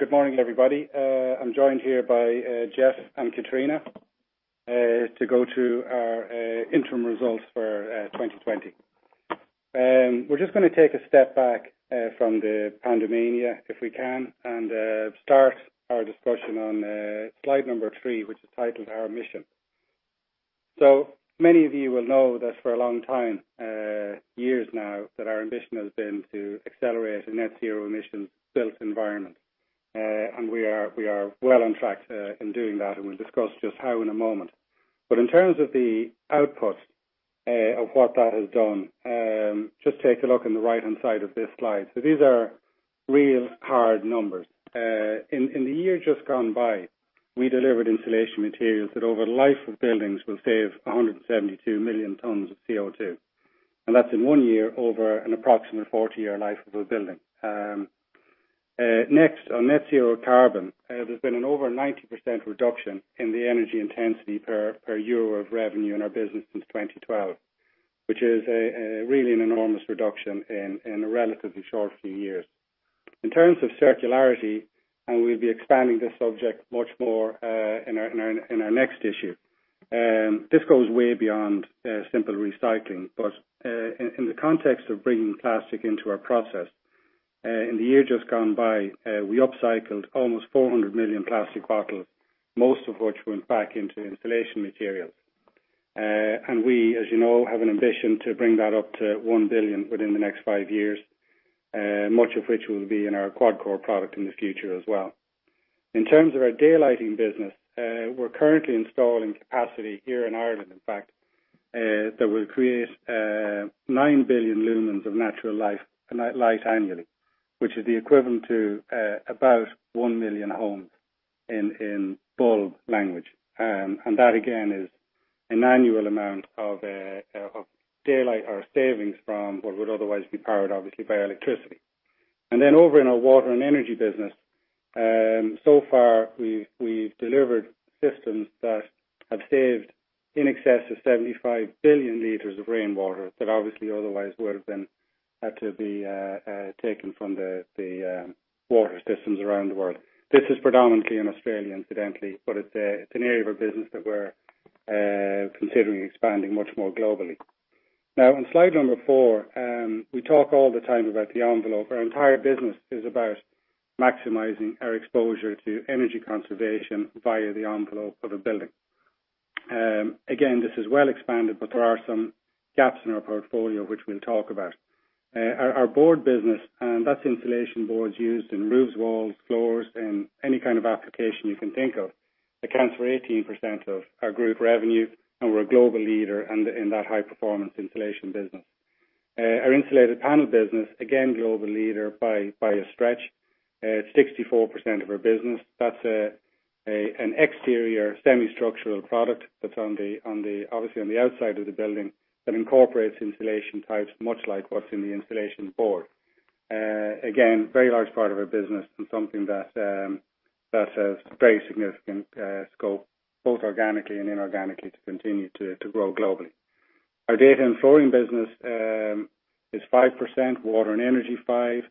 Good morning, everybody. I'm joined here by Geoff and Catriona to go to our interim results for 2020. We're just going to take a step back from the pandemania if we can, and start our discussion on slide number three, which is titled "Our Mission." Many of you will know that for a long time, years now, that our ambition has been to accelerate a net zero emissions built environment. We are well on track in doing that, and we'll discuss just how in a moment. In terms of the output of what that has done, just take a look on the right-hand side of this slide. These are real hard numbers. In the year just gone by, we delivered insulation materials that over the life of buildings will save 172 million tons of CO2, and that's in one year over an approximate 40-year life of a building. Next, on net zero carbon, there's been an over 90% reduction in the energy intensity per Euro of revenue in our business since 2012, which is really an enormous reduction in a relatively short few years. In terms of circularity, we'll be expanding this subject much more in our next issue. This goes way beyond simple recycling but in the context of bringing plastic into our process, in the year just gone by, we upcycled almost 400 million plastic bottles, most of which went back into insulation materials. We, as you know, have an ambition to bring that up to 1 billion within the next five years, much of which will be in our QuadCore product in the future as well. In terms of our daylighting business, we're currently installing capacity here in Ireland, in fact, that will create 9 billion lumens of natural light annually, which is the equivalent to about 1 million homes in bulb language. That, again, is an annual amount of daylight or savings from what would otherwise have been powered obviously by electricity. Over in our water and energy business, so far we've delivered systems that have saved in excess of 75 billion liters of rainwater that obviously otherwise would have been had to be taken from the water systems around the world. This is predominantly in Australia, incidentally, but it's an area of our business that we're considering expanding much more globally. On slide number four, we talk all the time about the envelope. Our entire business is about maximizing our exposure to energy conservation via the envelope of a building. Again, this is well expanded, but there are some gaps in our portfolio, which we'll talk about. Our board business, that's insulation boards used in roofs, walls, floors, and any kind of application you can think of, accounts for 18% of our group revenue, and we're a global leader in that high-performance insulation business. Our insulated panel business, global leader by a stretch. It's 64% of our business. That's an exterior semi-structural product that's obviously on the outside of the building that incorporates insulation types, much like what's in the insulation board. Again, very large part of our business and something that has very significant scope, both organically and inorganically, to continue to grow globally. Our data and flooring business is 5%, water and energy, 5%,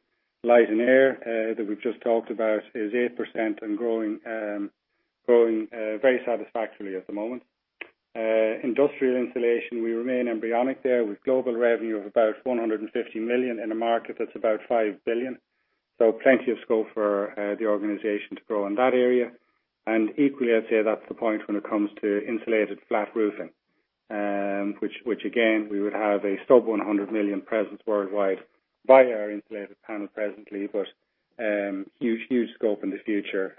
light and air, that we've just talked about, is 8% and growing very satisfactorily at the moment. Industrial insulation, we remain embryonic there with global revenue of about 150 million in a market that's about 5 billion. Plenty of scope for the organization to grow in that area. Equally, I'd say that's the point when it comes to insulated flat roofing, which again, we would have a sub-EUR 100 million presence worldwide via our insulated panel presently, but huge scope in the future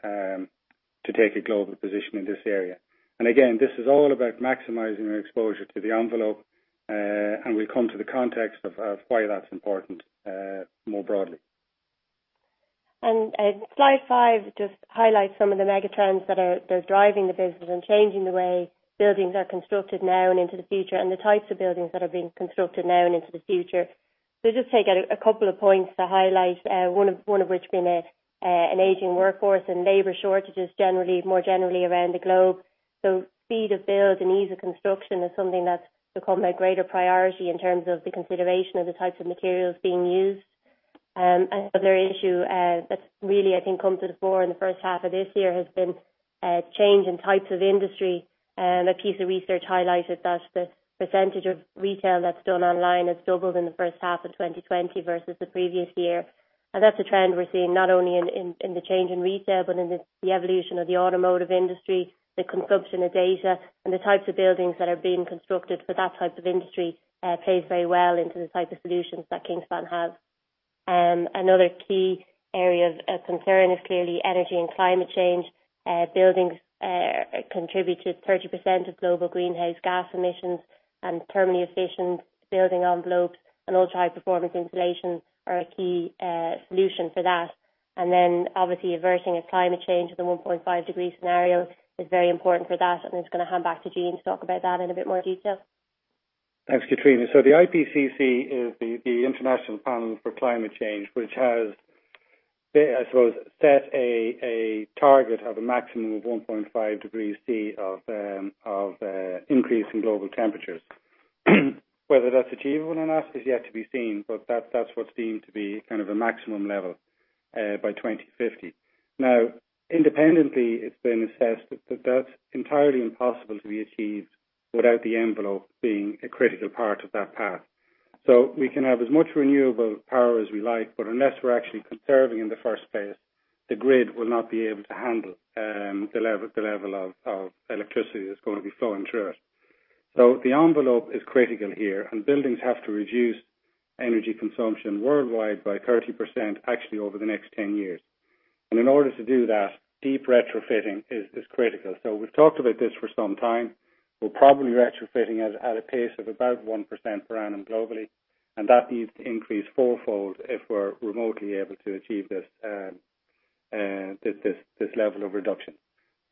to take a global position in this area. Again, this is all about maximizing our exposure to the envelope, and we'll come to the context of why that's important more broadly. Slide five just highlights some of the mega trends that are driving the business and changing the way buildings are constructed now and into the future and the types of buildings that are being constructed now and into the future. Just take a couple of points to highlight, one of which being an aging workforce and labor shortages more generally around the globe. Speed of build and ease of construction is something that's become a greater priority in terms of the consideration of the types of materials being used. Another issue that's really, I think, come to the fore in the first half of this year has been change in types of industry. A piece of research highlighted that the % of retail that's done online has doubled in the first half of 2020 versus the previous year. That's a trend we're seeing not only in the change in retail but in the evolution of the automotive industry, the consumption of data and the types of buildings that are being constructed for that type of industry plays very well into the type of solutions that Kingspan has. Another key area of concern is clearly energy and climate change. Buildings contribute to 30% of global greenhouse gas emissions and permanently efficient building envelopes and ultra-high performance insulation are a key solution for that. Obviously averting a climate change to the 1.5 degree scenario is very important for that, and I'm just going to hand back to Gene to talk about that in a bit more detail. Thanks, Catriona. The IPCC is the International Panel for Climate Change, which has, I suppose, set a target of a maximum of 1.5 degrees C of increase in global temperatures. Whether that's achievable or not is yet to be seen, but that's what's deemed to be kind of a maximum level by 2050. Independently, it's been assessed that that's entirely impossible to be achieved without the envelope being a critical part of that path. We can have as much renewable power as we like, but unless we're actually conserving in the first place, the grid will not be able to handle the level of electricity that's going to be flowing through it. The envelope is critical here, and buildings have to reduce energy consumption worldwide by 30%, actually over the next 10 years. In order to do that, deep retrofitting is critical. We've talked about this for some time. We're probably retrofitting at a pace of about 1% per annum globally, and that needs to increase fourfold if we're remotely able to achieve this level of reduction.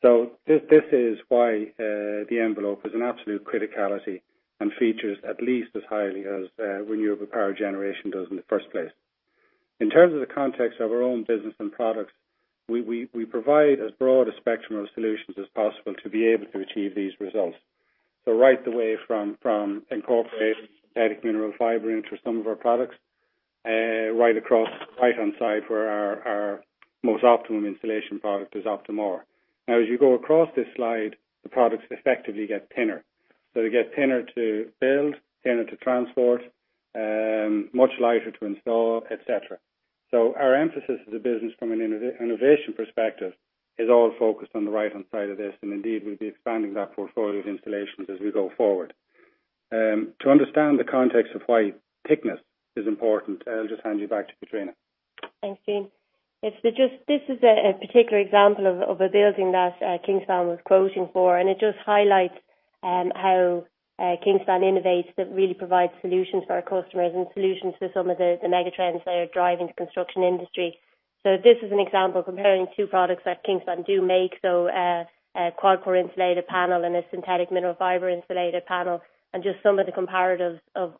This is why the envelope is an absolute criticality and features at least as highly as renewable power generation does in the first place. In terms of the context of our own business and products, we provide as broad a spectrum of solutions as possible to be able to achieve these results. Right the way from incorporation of synthetic mineral fiber into some of our products, right across the right-hand side where our most optimum insulation product is OPTIM-R. Now, as you go across this slide, the products effectively get thinner. They get thinner to build, thinner to transport, much lighter to install, et cetera. Our emphasis as a business from an innovation perspective is all focused on the right-hand side of this, and indeed, we will be expanding that portfolio of installations as we go forward. To understand the context of why thickness is important, I will just hand you back to Catriona. Thanks, Gene. This is a particular example of a building that Kingspan was quoting for, and it just highlights how Kingspan innovates to really provide solutions for our customers and solutions to some of the megatrends that are driving the construction industry. This is an example comparing two products that Kingspan do make, so a QuadCore insulated panel and a synthetic mineral fiber insulated panel, and just some of the comparatives of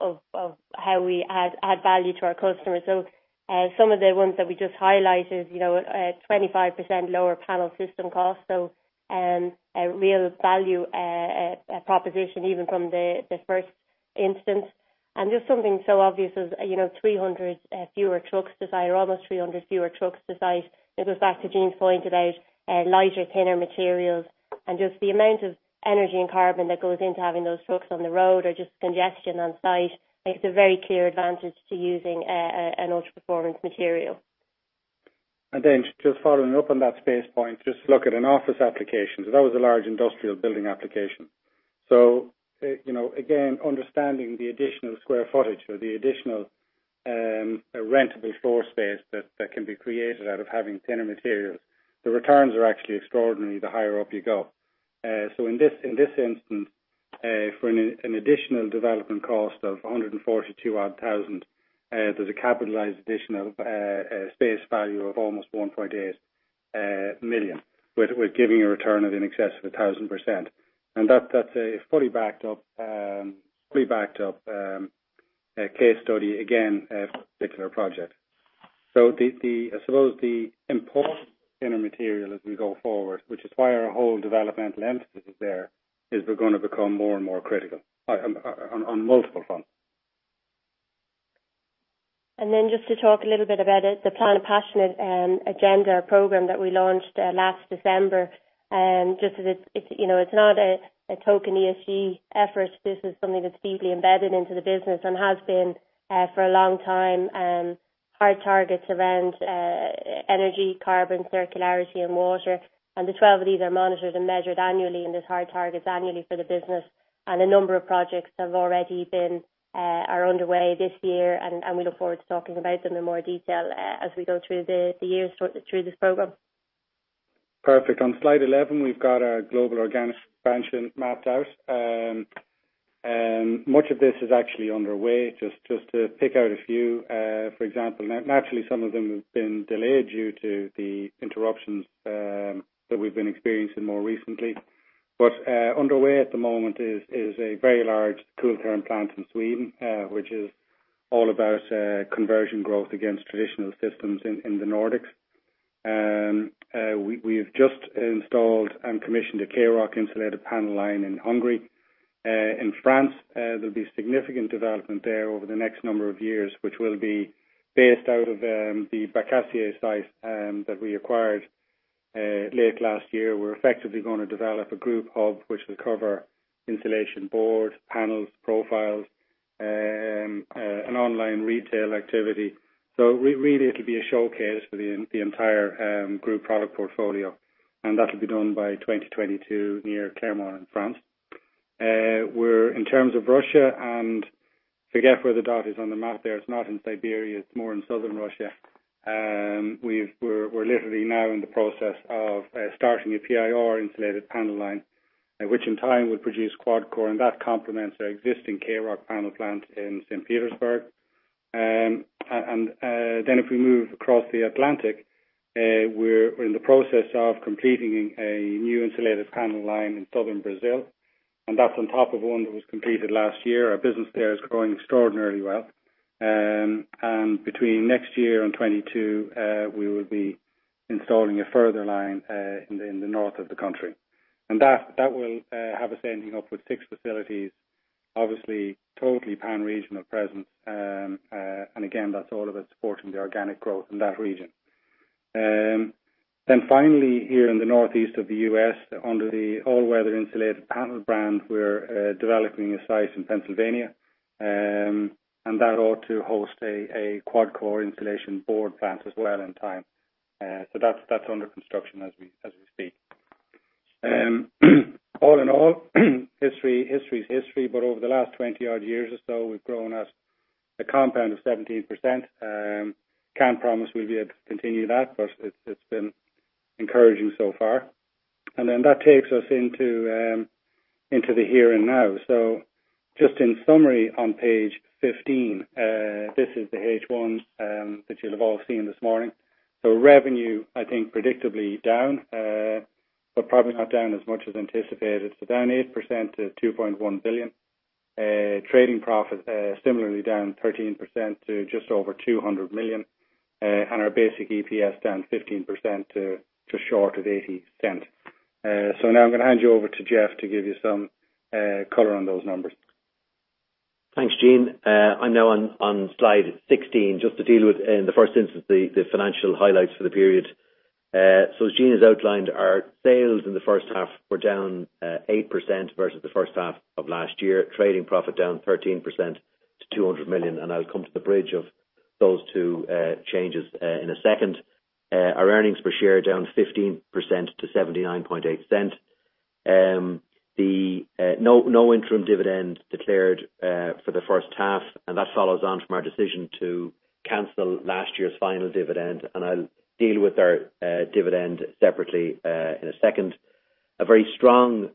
how we add value to our customers. Some of the ones that we just highlighted, a 25% lower panel system cost, so a real value proposition even from the first instance. Just something so obvious as almost 300 fewer trucks to site. It goes back to Gene's point about lighter, thinner materials and just the amount of energy and carbon that goes into having those trucks on the road or just congestion on site. It's a very clear advantage to using an ultra-performance material. Just following up on that space point, just look at an office application. That was a large industrial building application. Again, understanding the additional square footage or the additional rentable floor space that can be created out of having thinner materials, the returns are actually extraordinary the higher up you go. In this instance, for an additional development cost of 142,000, there's a capitalized additional space value of almost 1.8 million, with giving a return in excess of 1,000%. That's a fully backed up case study, again, a particular project. I suppose the importance in a material as we go forward, which is why our whole developmental emphasis is there, is they're going to become more and more critical on multiple fronts. Just to talk a little bit about it, the Planet Passionate agenda program that we launched last December. Just as it's not a token ESG effort, this is something that's deeply embedded into the business and has been for a long time. Hard targets around energy, carbon, circularity, and water. The 12 of these are monitored and measured annually, and there's hard targets annually for the business. A number of projects are already underway this year, and we look forward to talking about them in more detail as we go through the years through this program. Perfect. On slide 11, we've got our global organic expansion mapped out. Much of this is actually underway. Just to pick out a few, for example. Naturally, some of them have been delayed due to the interruptions that we've been experiencing more recently. Underway at the moment is a very large Kooltherm plant in Sweden, which is all about conversion growth against traditional systems in the Nordics. We've just installed and commissioned a K-Roc insulated panel line in Hungary. In France, there'll be significant development there over the next number of years, which will be based out of the Bacacier site that we acquired late last year. We're effectively going to develop a group hub which will cover insulation board, panels, profiles, and online retail activity. Really it'll be a showcase for the entire group product portfolio, and that'll be done by 2022 near Clermont in France. In terms of Russia and forget where the dot is on the map there. It's not in Siberia, it's more in southern Russia. We're literally now in the process of starting a PIR insulated panel line, which in time would produce QuadCore, That complements our existing K-Roc panel plant in St. Petersburg. If we move across the Atlantic, we're in the process of completing a new insulated panel line in southern Brazil, That's on top of one that was completed last year. Our business there is growing extraordinarily well. Between next year and 2022, we will be installing a further line in the north of the country. That will have us ending up with six facilities, obviously totally pan-regional presence. Again, that's all of us supporting the organic growth in that region. Finally, here in the northeast of the U.S., under the All Weather Insulated Panels brand, we're developing a site in Pennsylvania, and that ought to host a QuadCore insulation board plant as well in time. That's under construction as we speak. All in all, history is history, but over the last 20 odd years or so, we've grown at a compound of 17%. Can't promise we'll be able to continue that, but it's been encouraging so far. That takes us into the here and now. Just in summary, on page 15, this is the H1 that you'll have all seen this morning. Revenue, I think predictably down, but probably not down as much as anticipated. Down 8% to 2.1 billion. Trading profit similarly down 13% to just over 200 million. Our basic EPS down 15% to short at 0.80. Now I'm going to hand you over to Geoff to give you some color on those numbers. Thanks, Gene. I'm now on slide 16 just to deal with, in the first instance, the financial highlights for the period. As Gene has outlined, our sales in the first half were down 8% versus the first half of last year. Trading profit down 13% to 200 million. I'll come to the bridge of those two changes in a second. Our earnings per share down 15% to 0.798. No interim dividend declared for the first half. That follows on from our decision to cancel last year's final dividend. I'll deal with our dividend separately in a second. A very strong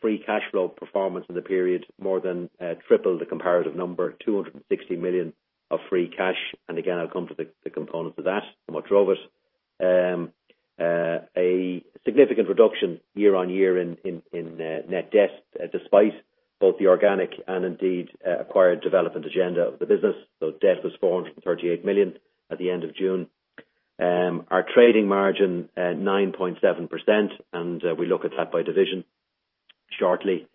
free cash flow performance in the period, more than triple the comparative number, 260 million of free cash. Again, I'll come to the component of that and what drove it. A significant reduction year-on-year in net debt, despite both the organic and indeed acquired development agenda of the business. Debt was 438 million at the end of June. Our trading margin at 9.7%, and we look at that by division shortly.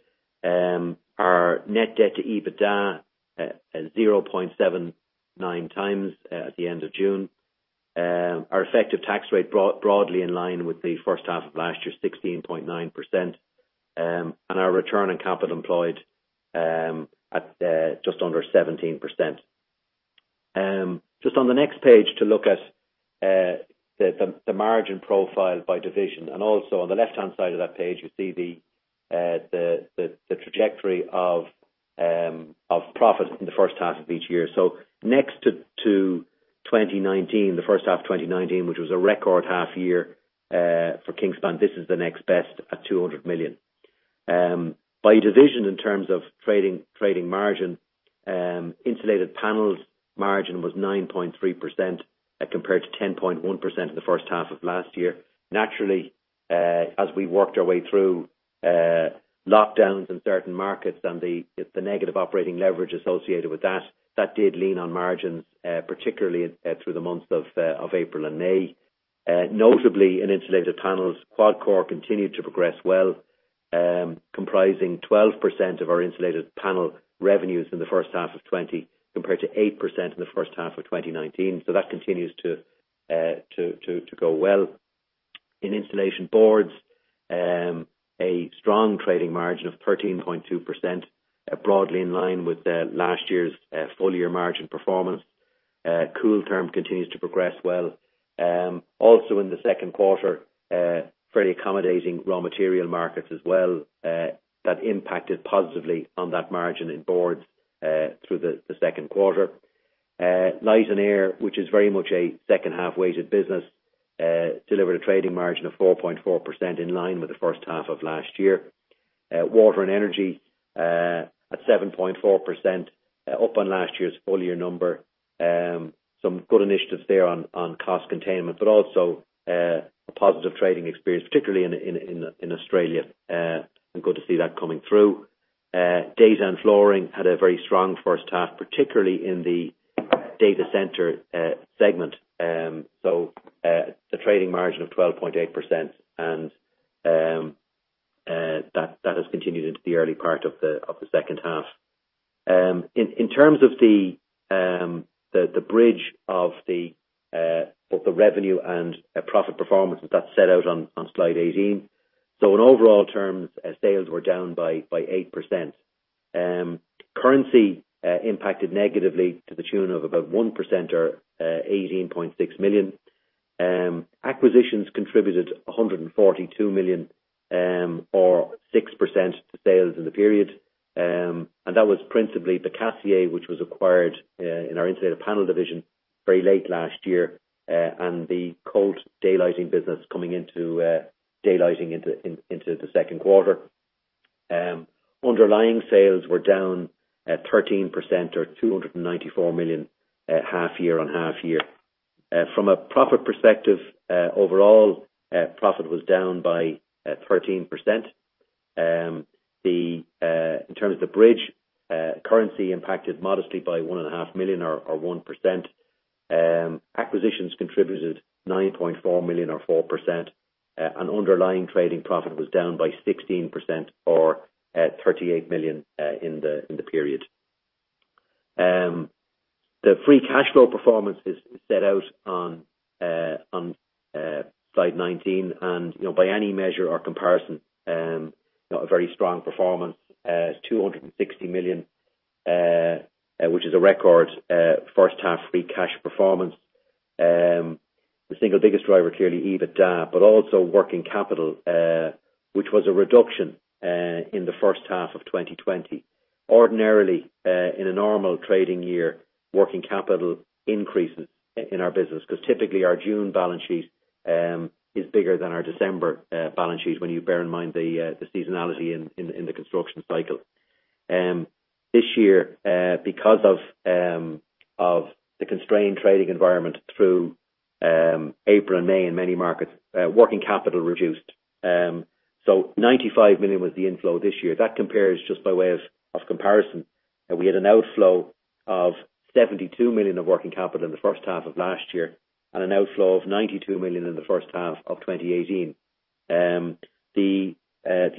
Our net debt to EBITDA at 0.79x at the end of June. Our effective tax rate broadly in line with the first half of last year, 16.9%. Our return on capital employed at just under 17%. Just on the next page to look at the margin profile by division, and also on the left-hand side of that page, you see the trajectory of profit in the first half of each year. Next to 2019, the first half 2019, which was a record half year for Kingspan, this is the next best at 200 million. By division in terms of trading margin, insulated panels margin was 9.3% compared to 10.1% in the first half of last year. Naturally, as we worked our way through lockdowns in certain markets and the negative operating leverage associated with that did lean on margins, particularly through the months of April and May. Notably, in insulated panels, QuadCore continued to progress well, comprising 12% of our insulated panel revenues in the first half of 2020, compared to 8% in the first half of 2019. That continues to go well. In insulation boards, a strong trading margin of 13.2%, broadly in line with last year's full year margin performance. Kooltherm continues to progress well. Also in the second quarter, fairly accommodating raw material markets as well, that impacted positively on that margin in boards through the second quarter. Light and air, which is very much a second half weighted business, delivered a trading margin of 4.4% in line with the first half of last year. Water and energy at 7.4%, up on last year's full year number. Some good initiatives there on cost containment, but also a positive trading experience, particularly in Australia. Good to see that coming through. Data and flooring had a very strong first half, particularly in the data center segment. The trading margin of 12.8%, and that has continued into the early part of the second half. In terms of the bridge of both the revenue and profit performance, that's set out on slide 18. In overall terms, sales were down by 8%. Currency impacted negatively to the tune of about 1% or 18.6 million. Acquisitions contributed 142 million or 6% to sales in the period. That was principally the Bacacier, which was acquired in our insulated panel division very late last year, and the Colt daylighting business coming into daylighting into the second quarter. Underlying sales were down by 13% or 294 million half-year on half-year. From a profit perspective overall profit was down by 13%. In terms of the bridge, currency impacted modestly by 1.5 million or 1%. Acquisitions contributed 9.4 million or 4%, and underlying trading profit was down by 16% or at 38 million in the period. The free cash flow performance is set out on slide 19 and by any measure or comparison, a very strong performance. It's 260 million, which is a record first half free cash performance. The single biggest driver clearly EBITDA, but also working capital, which was a reduction in the first half of 2020. Ordinarily, in a normal trading year, working capital increases in our business because typically our June balance sheet is bigger than our December balance sheet when you bear in mind the seasonality in the construction cycle. This year, because of the constrained trading environment through April and May in many markets, working capital reduced. 95 million was the inflow this year. That compares just by way of comparison, we had an outflow of 72 million of working capital in the first half of last year and an outflow of 92 million in the first half of 2018. The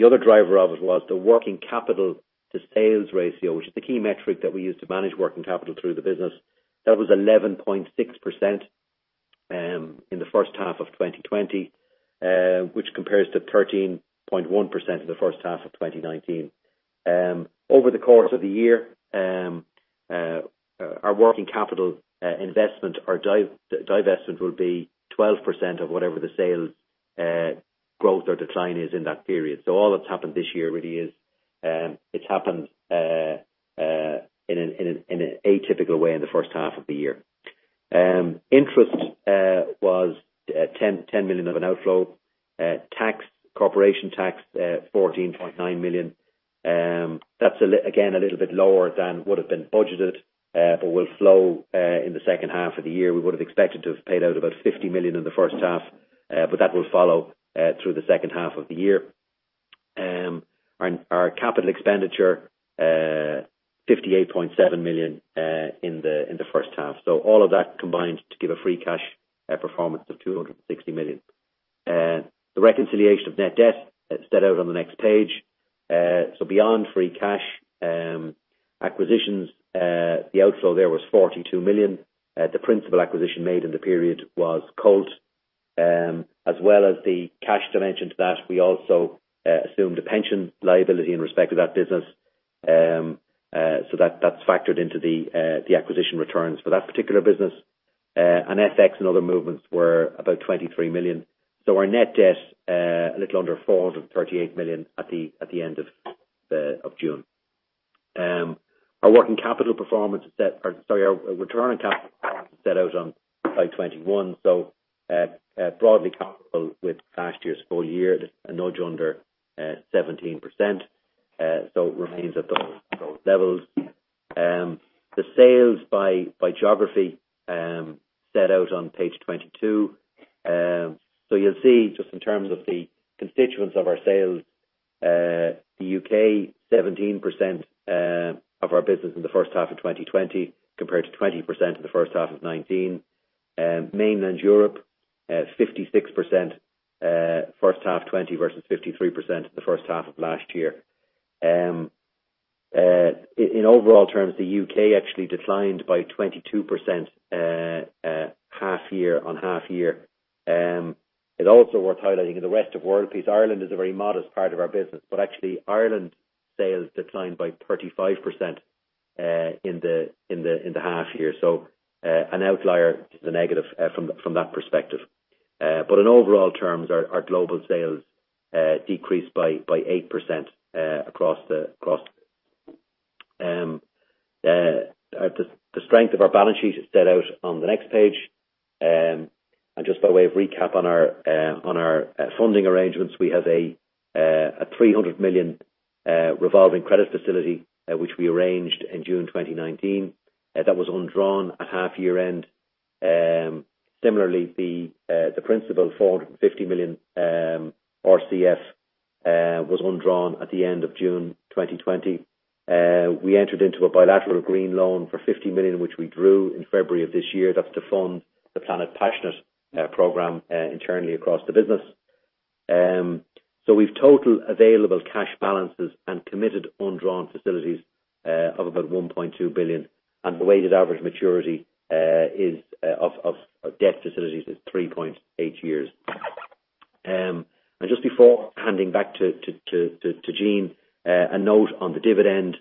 other driver of it was the working capital to sales ratio, which is the key metric that we use to manage working capital through the business. That was 11.6% in the first half of 2020, which compares to 13.1% in the first half of 2019. Over the course of the year, our working capital investment or divestment will be 12% of whatever the sales growth or decline is in that period. All that's happened this year really is, it's happened in an atypical way in the first half of the year. Interest was 10 million of an outflow. Corporation tax, 14.9 million. That's again, a little bit lower than would have been budgeted but will flow in the second half of the year. We would have expected to have paid out about 50 million in the first half, but that will follow through the second half of the year. Our capital expenditure, 58.7 million in the first half. All of that combined to give a free cash performance of 260 million. The reconciliation of net debt is set out on the next page. Beyond free cash acquisitions, the outflow there was 42 million. The principal acquisition made in the period was Colt. As well as the cash dimension to that, we also assumed a pension liability in respect of that business. That's factored into the acquisition returns for that particular business. FX and other movements were about 23 million. Our net debt, a little under 438 million at the end of June. Our return on capital performance is set out on slide 21. Broadly comparable with last year's full year, just a nudge under 17%. It remains at those levels. The sales by geography set out on page 22. You'll see just in terms of the constituents of our sales, the U.K., 17% of our business in the first half of 2020, compared to 20% in the first half of 2019. Mainland Europe, 56% first half 2020 versus 53% in the first half of last year. In overall terms, the U.K. actually declined by 22% half-year on half-year. It's also worth highlighting in the rest of world piece, Ireland is a very modest part of our business, but actually Ireland sales declined by 35% in the half-year. An outlier to the negative from that perspective. In overall terms, our global sales decreased by 8% across the. The strength of our balance sheet is set out on the next page. Just by way of recap on our funding arrangements, we have a 300 million revolving credit facility, which we arranged in June 2019. That was undrawn at half-year end. Similarly, the principal 450 million RCF was undrawn at the end of June 2020. We entered into a bilateral green loan for 50 million, which we drew in February of this year. That's to fund the Planet Passionate program internally across the business. We've total available cash balances and committed undrawn facilities of about 1.2 billion, and the weighted average maturity of debt facilities is three point eight years. Just before handing back to Gene, a note on the dividend.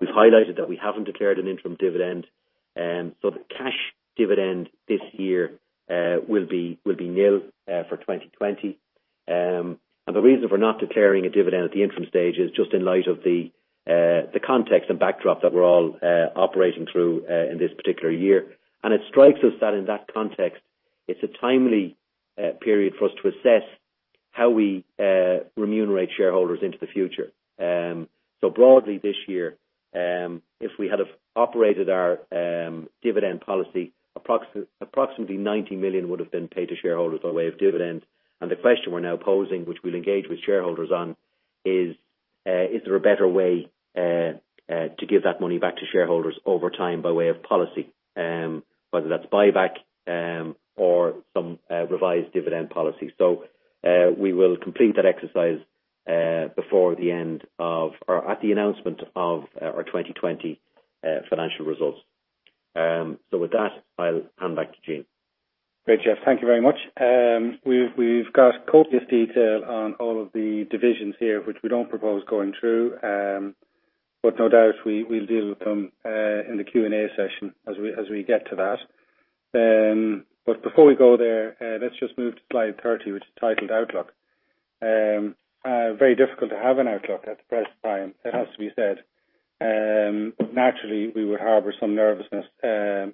We've highlighted that we haven't declared an interim dividend. The cash dividend this year will be nil for 2020. The reason for not declaring a dividend at the interim stage is just in light of the context and backdrop that we're all operating through in this particular year. It strikes us that in that context, it's a timely period for us to assess how we remunerate shareholders into the future. Broadly this year, if we had operated our dividend policy, approximately 90 million would have been paid to shareholders by way of dividends. The question we're now posing, which we'll engage with shareholders on is there a better way to give that money back to shareholders over time by way of policy, whether that's buyback or some revised dividend policy. We will complete that exercise before the end of, or at the announcement of our 2020 financial results. With that, I'll hand back to Gene. Great, Geoff. Thank you very much. We've got copious detail on all of the divisions here, which we don't propose going through. No doubt we'll deal with them in the Q&A session as we get to that. Before we go there, let's just move to slide 30, which is titled Outlook. Very difficult to have an outlook at the present time, it has to be said. Naturally, we would harbor some nervousness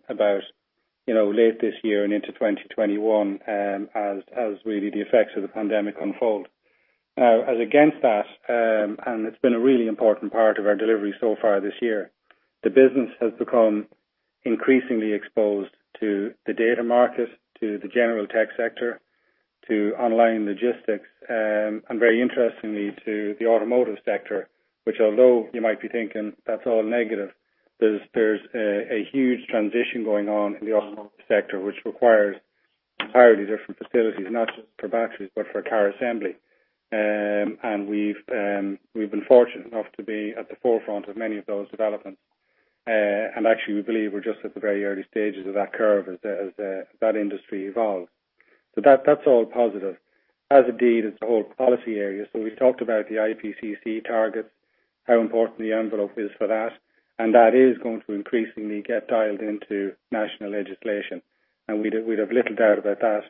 about late this year and into 2021, as really the effects of the pandemic unfold. As against that, and it's been a really important part of our delivery so far this year, the business has become increasingly exposed to the data market, to the general tech sector, to online logistics, and very interestingly, to the automotive sector, which although you might be thinking that's all negative, there's a huge transition going on in the automotive sector, which requires entirely different facilities, not just for batteries, but for car assembly. We've been fortunate enough to be at the forefront of many of those developments. Actually, we believe we're just at the very early stages of that curve as that industry evolves. That's all positive, as indeed is the whole policy area. We've talked about the IPCC targets, how important the envelope is for that, and that is going to increasingly get dialed into national legislation. We'd have little doubt about that.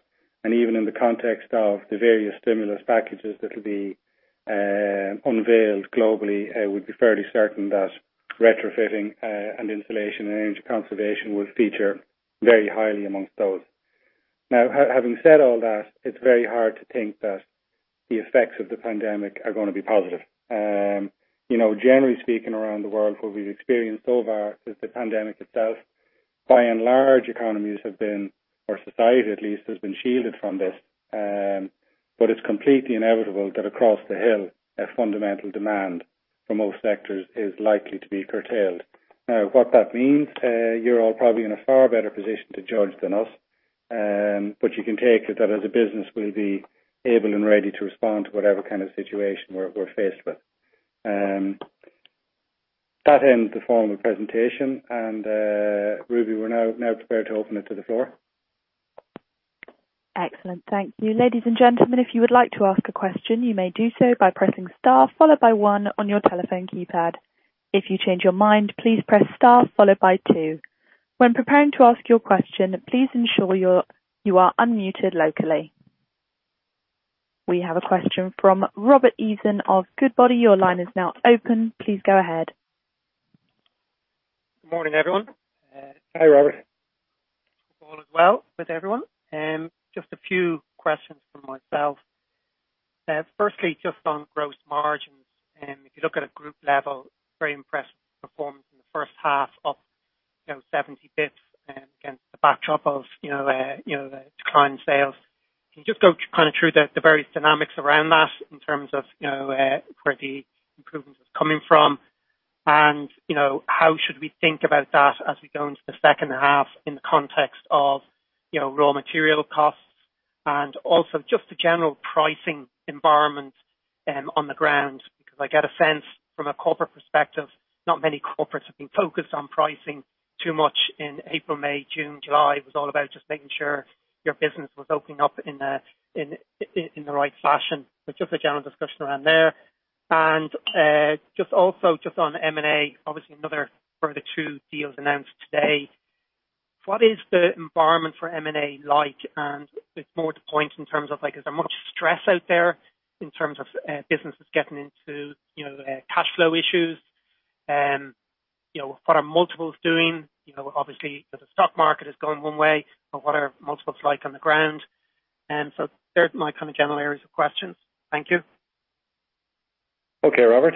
Even in the context of the various stimulus packages that will be unveiled globally, we'd be fairly certain that retrofitting, and insulation and energy conservation will feature very highly amongst those. Having said all that, it's very hard to think that the effects of the pandemic are going to be positive. Generally speaking, around the world, what we've experienced so far is the pandemic itself. By and large, economies have been, or society at least, has been shielded from this. It's completely inevitable that across the hill, a fundamental demand for most sectors is likely to be curtailed. What that means, you're all probably in a far better position to judge than us. You can take it that as a business, we'll be able and ready to respond to whatever kind of situation we're faced with. That ends the formal presentation, and Ruby, we're now prepared to open it to the floor. Excellent. Thank you. Ladies and gentlemen, if you would like to ask a question, you may do so by pressing star followed by one on your telephone keypad. If you change your mind, please press star followed by two. When preparing to ask your question, please ensure you are unmuted locally. We have a question from Robert Eason of Goodbody. Your line is now open. Please go ahead. Good morning, everyone. Hi, Robert. Hope all is well with everyone. Just a few questions from myself. Firstly, just on gross margins. If you look at a group level, very impressive performance in the first half up 70 basis points against the backdrop of the decline in sales. Can you just go kind of through the various dynamics around that in terms of where the improvement is coming from and how should we think about that as we go into the second half in the context of raw material costs and also just the general pricing environment on the ground? I get a sense from a corporate perspective, not many corporates have been focused on pricing too much in April, May, June, July. It was all about just making sure your business was opening up in the right fashion. Just a general discussion around there. Just also just on M&A, obviously another further two deals announced today. What is the environment for M&A like? More to the point in terms of like, is there much stress out there in terms of businesses getting into the cash flow issues? What are multiples doing? Obviously, the stock market is going one way, but what are multiples like on the ground? They're my kind of general areas of questions. Thank you. Okay, Robert.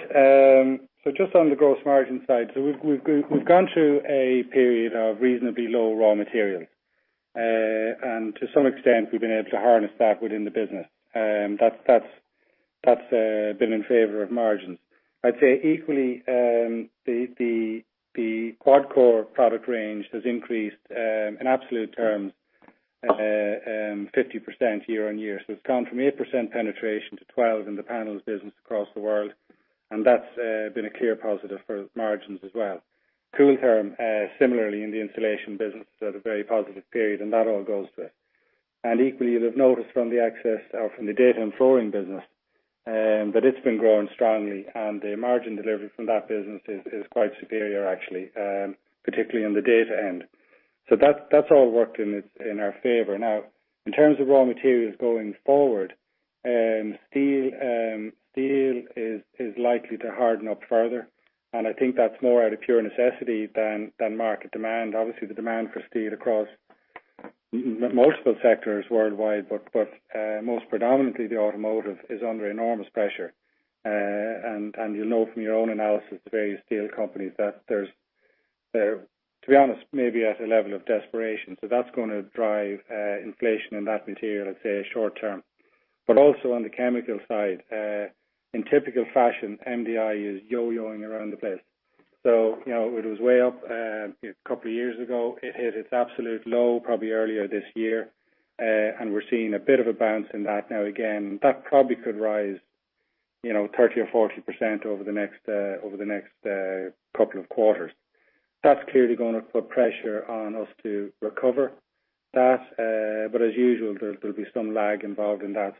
Just on the gross margin side. We've gone through a period of reasonably low raw materials. To some extent, we've been able to harness that within the business. That's been in favor of margins. I'd say equally, the QuadCore product range has increased, in absolute terms, 50% year-on-year. It's gone from 8% penetration to 12 in the panels business across the world, and that's been a clear positive for margins as well. Kooltherm, similarly in the insulation business, has had a very positive period, and that all goes to it. Equally, you'll have noticed from the access or from the data and flooring business, that it's been growing strongly, and the margin delivery from that business is quite superior actually, particularly on the data end. That's all worked in our favor. In terms of raw materials going forward, steel is likely to harden up further, and I think that's more out of pure necessity than market demand. Obviously, the demand for steel across most of the sectors worldwide, but most predominantly the automotive is under enormous pressure. You'll know from your own analysis of various steel companies that there's, to be honest, maybe at a level of desperation. That's going to drive inflation in that material, let's say short term. Also on the chemical side, in typical fashion, MDI is yo-yoing around the place. It was way up a couple of years ago. It hit its absolute low probably earlier this year, and we're seeing a bit of a bounce in that now again. That probably could rise 30% or 40% over the next couple of quarters. That's clearly going to put pressure on us to recover that. As usual, there'll be some lag involved in that.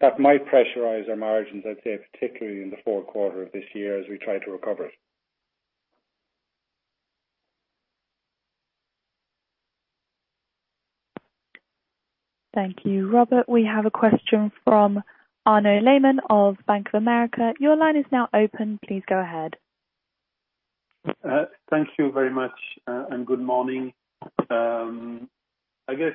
That might pressurize our margins, I'd say particularly in the fourth quarter of this year as we try to recover it. Thank you, Robert. We have a question from Arnaud Lehmann of Bank of America. Your line is now open. Please go ahead. Thank you very much, and good morning. I guess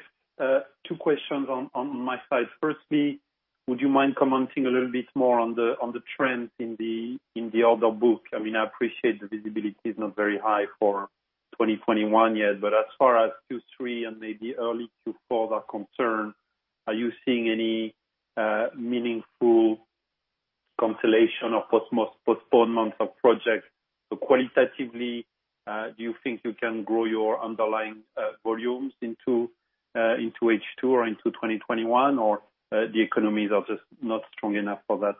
two questions on my side. Firstly, would you mind commenting a little bit more on the trend in the order book? I appreciate the visibility is not very high for 2021 yet, but as far as Q3 and maybe early Q4 are concerned, are you seeing any meaningful consolidation of postponements of projects? Qualitatively, do you think you can grow your underlying volumes into H2 or into 2021, or the economies are just not strong enough for that?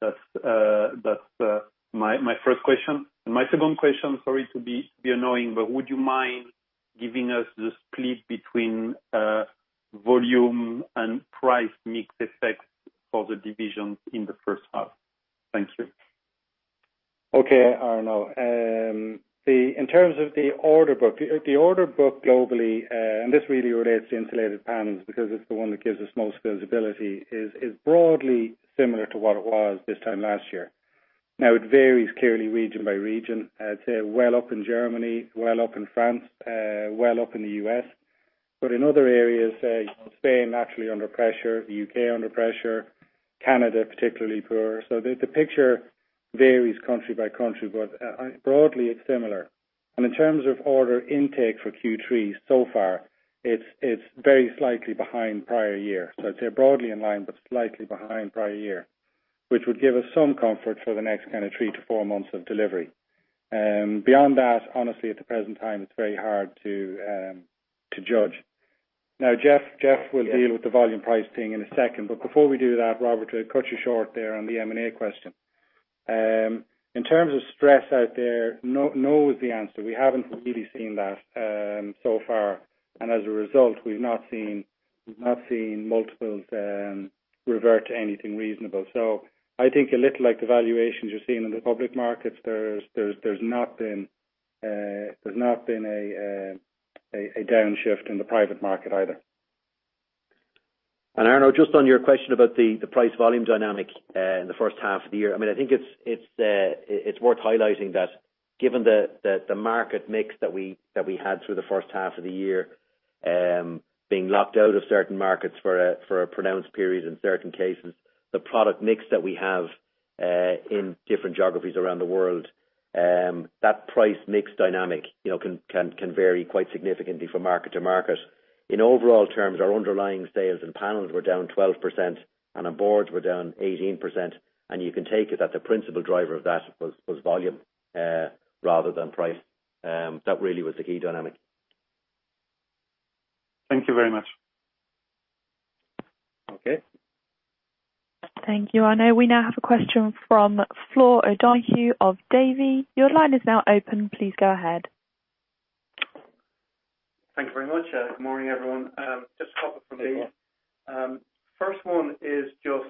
That's my first question. My second question, sorry to be annoying, but would you mind giving us the split between volume and price mix effects for the divisions in the first half? Thank you. Okay, Arnaud. In terms of the order book, the order book globally, and this really relates to insulated panels because it's the one that gives us most visibility, is broadly similar to what it was this time last year. It varies clearly region by region. I'd say well up in Germany, well up in France, well up in the U.S. In other areas, Spain naturally under pressure, the U.K. under pressure, Canada particularly poor. The picture varies country by country, but broadly it's similar. In terms of order intake for Q3 so far, it's very slightly behind prior year. I'd say broadly in line, but slightly behind prior year, which would give us some comfort for the next kind of three to four months of delivery. Beyond that, honestly, at the present time, it's very hard to judge. Now, Geoff will deal with the volume pricing in a second. Before we do that, Robert, to cut you short there on the M&A question. In terms of stress out there, no is the answer. We haven't really seen that so far. As a result, we've not seen multiples revert to anything reasonable. I think a little like the valuations you're seeing in the public markets, there's not been a downshift in the private market either. Arnaud, just on your question about the price volume dynamic in the first half of the year, I think it's worth highlighting that given that the market mix that we had through the first half of the year, being locked out of certain markets for a pronounced period in certain cases, the product mix that we have in different geographies around the world, that price mix dynamic can vary quite significantly from market to market. In overall terms, our underlying sales and panels were down 12%, and our boards were down 18%. You can take it that the principal driver of that was volume rather than price. That really was the key dynamic. Thank you very much. Okay. Thank you, Arnaud. We now have a question from Flor O'Donoghue of Davy. Your line is now open. Please go ahead. Thank you very much. Good morning, everyone. Just a couple from Davy. First one is just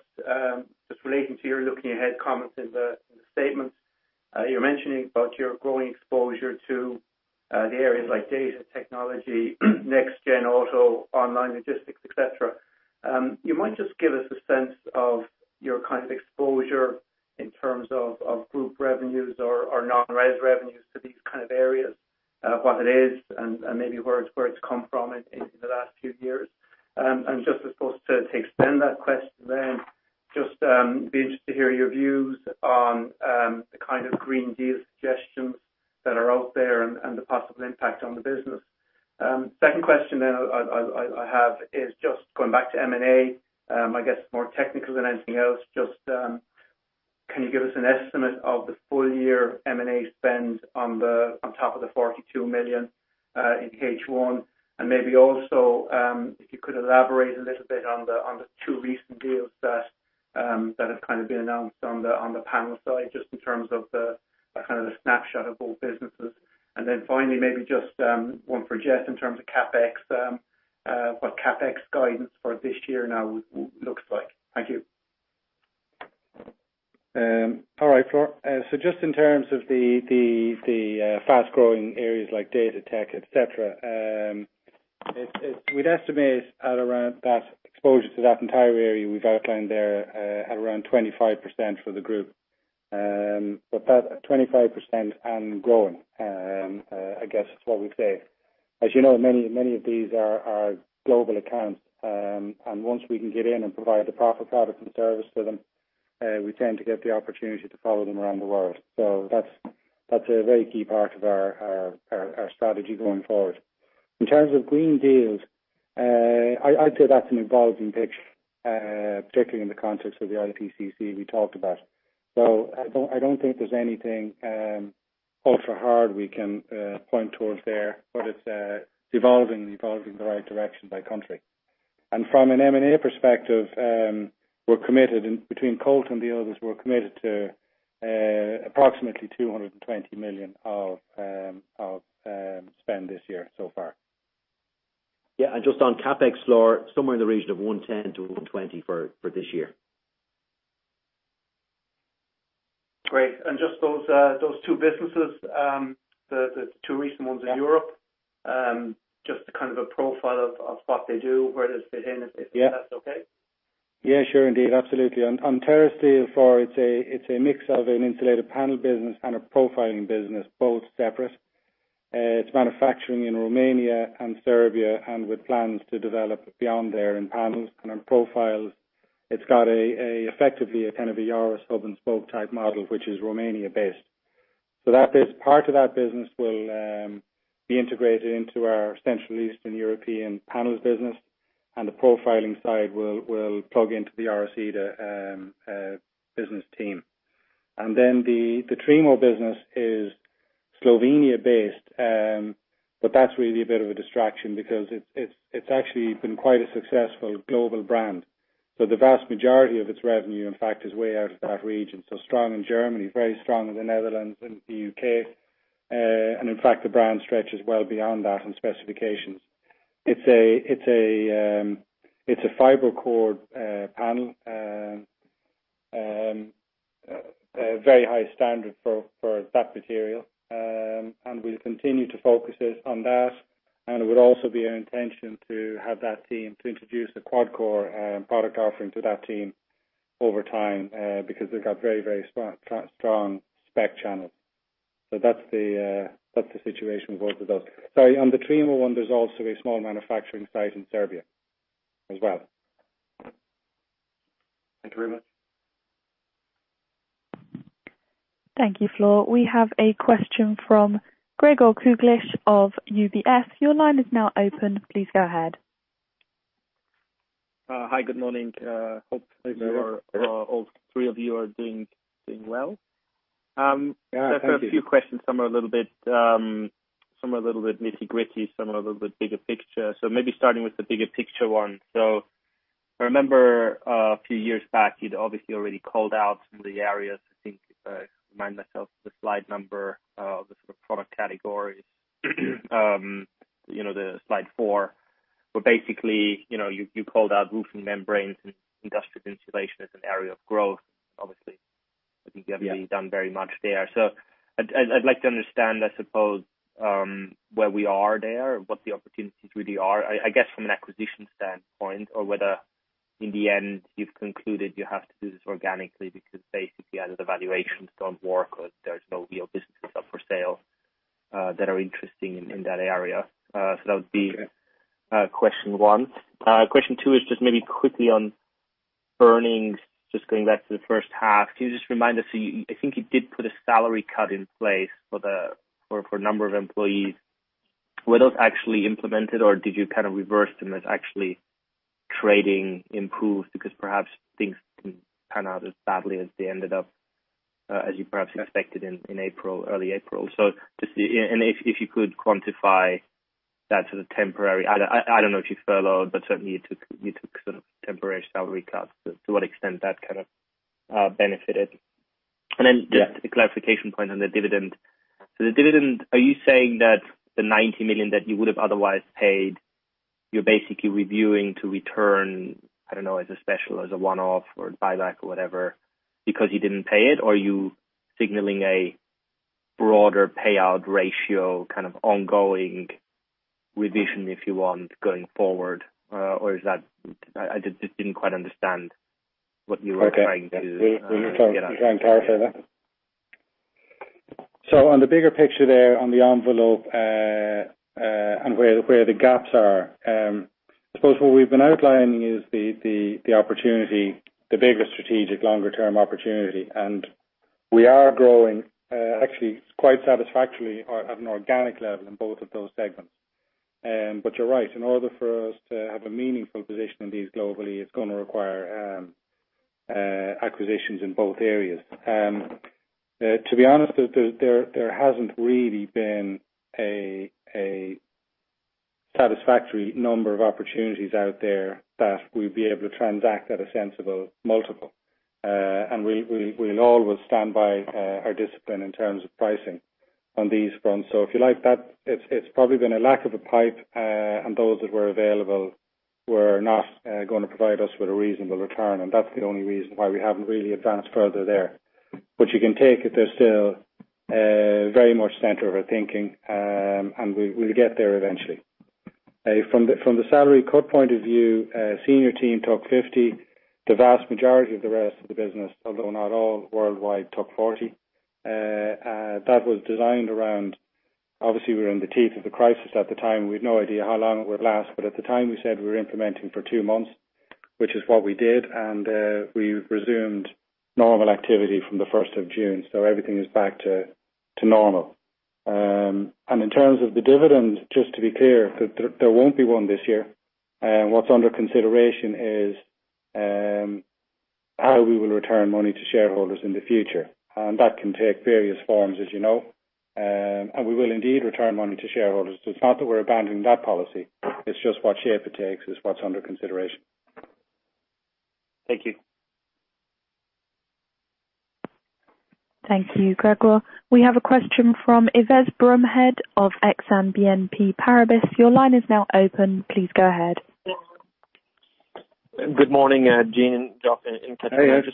relating to your looking ahead comments in the statement. You are mentioning about your growing exposure to the areas like data technology, next gen auto, online logistics, et cetera. You might just give us a sense of your kind of exposure in terms of group revenues or non-rev revenues to these kind of areas, what it is and maybe where it has come from in the last few years. Just I suppose to extend that question then, just be interested to hear your views on the kind of Green Deal suggestions that are out there and the possible impact on the business. Second question that I have is just going back to M&A, I guess more technical than anything else. Just can you give us an estimate of the full year M&A spend on top of the 42 million in H1? Maybe also, if you could elaborate a little bit on the two recent deals that have kind of been announced on the panel side, just in terms of the kind of the snapshot of both businesses. Finally, maybe just one for Geoff in terms of CapEx, what CapEx guidance for this year now looks like. Thank you. All right, Flor. Just in terms of the fast-growing areas like data tech, et cetera, we'd estimate at around that exposure to that entire area we've outlined there at around 25% for the group. That 25% and growing, I guess is what we'd say. As you know, many of these are global accounts, and once we can get in and provide the proper product and service to them, we tend to get the opportunity to follow them around the world. That's a very key part of our strategy going forward. In terms of Green Deal, I'd say that's an evolving picture, particularly in the context of the IPCC we talked about. I don't think there's anything ultra hard we can point towards there, it's evolving and evolving in the right direction by country. From an M&A perspective, we're committed, between Colt and the others, we're committed to approximately 220 million of spend this year so far. Yeah, just on CapEx Flor, somewhere in the region of 110-120 for this year. Great. Just those two businesses, the two recent ones in Europe, just a kind of a profile of what they do, where does it fit in, if that's okay? Yeah, sure. Indeed, absolutely. On TeraSteel for it's a mix of an insulated panel business and a profiling business, both separate. It's manufacturing in Romania and Serbia. With plans to develop beyond there in panels and on profiles. It's got effectively a kind of a hub-and-spoke type model, which is Romania based. Part of that business will be integrated into our Central Eastern European panels business. The profiling side will plug into the [Arcadia] business team. The Trimo business is Slovenia based, but that's really a bit of a distraction because it's actually been quite a successful global brand. The vast majority of its revenue, in fact, is way out of that region. Strong in Germany, very strong in the Netherlands and the U.K. In fact, the brand stretches well beyond that in specifications. It's a fiber core panel, a very high standard for that material. We'll continue to focus it on that. It would also be our intention to have that team to introduce a QuadCore product offering to that team over time because they've got very strong spec channels. That's the situation with both of those. Sorry, on the Trimo one, there's also a small manufacturing site in Serbia as well. Thank you very much. Thank you, Flor. We have a question from Gregor Kuglitsch of UBS. Your line is now open. Please go ahead. Hi, good morning. Hope all three of you are doing well. Yeah, thank you. Just a few questions. Some are a little bit nitty-gritty, some are a little bit bigger picture. Maybe starting with the bigger picture one. I remember a few years back, you'd obviously already called out some of the areas, I think, remind myself the slide number of the sort of product categories, the slide four. Basically, you called out roofing membranes and industrial insulation as an area of growth, obviously. I think you haven't done very much there. I'd like to understand, I suppose, where we are there and what the opportunities really are, I guess, from an acquisition standpoint, or whether in the end you've concluded you have to do this organically because basically either the valuations don't work or there's no real businesses up for sale that are interesting in that area. That would be question one. Question two is just maybe quickly on earnings, just going back to the first half. Can you just remind us, I think you did put a salary cut in place for a number of employees. Were those actually implemented or did you kind of reverse them as actually trading improved? Perhaps things didn't pan out as badly as they ended up as you perhaps expected in early April. If you could quantify that sort of temporary, I don't know if you furloughed, but certainly you took sort of temporary salary cuts, to what extent that kind of benefited. Just a clarification point on the dividend. The dividend, are you saying that the 90 million that you would have otherwise paid, you're basically reviewing to return, I don't know, as a special, as a one-off or buyback or whatever because you didn't pay it? Are you signaling a broader payout ratio, kind of ongoing revision, if you want, going forward? I didn't quite understand what you were trying to get at. We'll try and clarify that. On the bigger picture there on the envelope, and where the gaps are. I suppose what we've been outlining is the opportunity, the bigger strategic longer term opportunity. We are growing, actually quite satisfactorily at an organic level in both of those segments. You're right, in order for us to have a meaningful position in these globally, it's going to require acquisitions in both areas. To be honest, there hasn't really been a satisfactory number of opportunities out there that we'd be able to transact at a sensible multiple. We'll always stand by our discipline in terms of pricing on these fronts. If you like, it's probably been a lack of a pipe, and those that were available were not going to provide us with a reasonable return, and that's the only reason why we haven't really advanced further there. You can take it, they're still very much center of our thinking, and we will get there eventually. From the salary cut point of view, senior team took 50. The vast majority of the rest of the business, although not all worldwide, took 40. That was designed around, obviously we were in the teeth of the crisis at the time. We had no idea how long it would last. At the time, we said we were implementing for two months, which is what we did. We resumed normal activity from the 1st of June. Everything is back to normal. In terms of the dividend, just to be clear, there won't be one this year. What's under consideration is how we will return money to shareholders in the future. That can take various forms, as you know. We will indeed return money to shareholders. It's not that we're abandoning that policy. It's just what shape it takes is what's under consideration. Thank you. Thank you, Gregor. We have a question from Yves Bromehead of Exane BNP Paribas. Your line is now open. Please go ahead. Good morning, Gene, Geoff, and Catriona. Hey, Yves.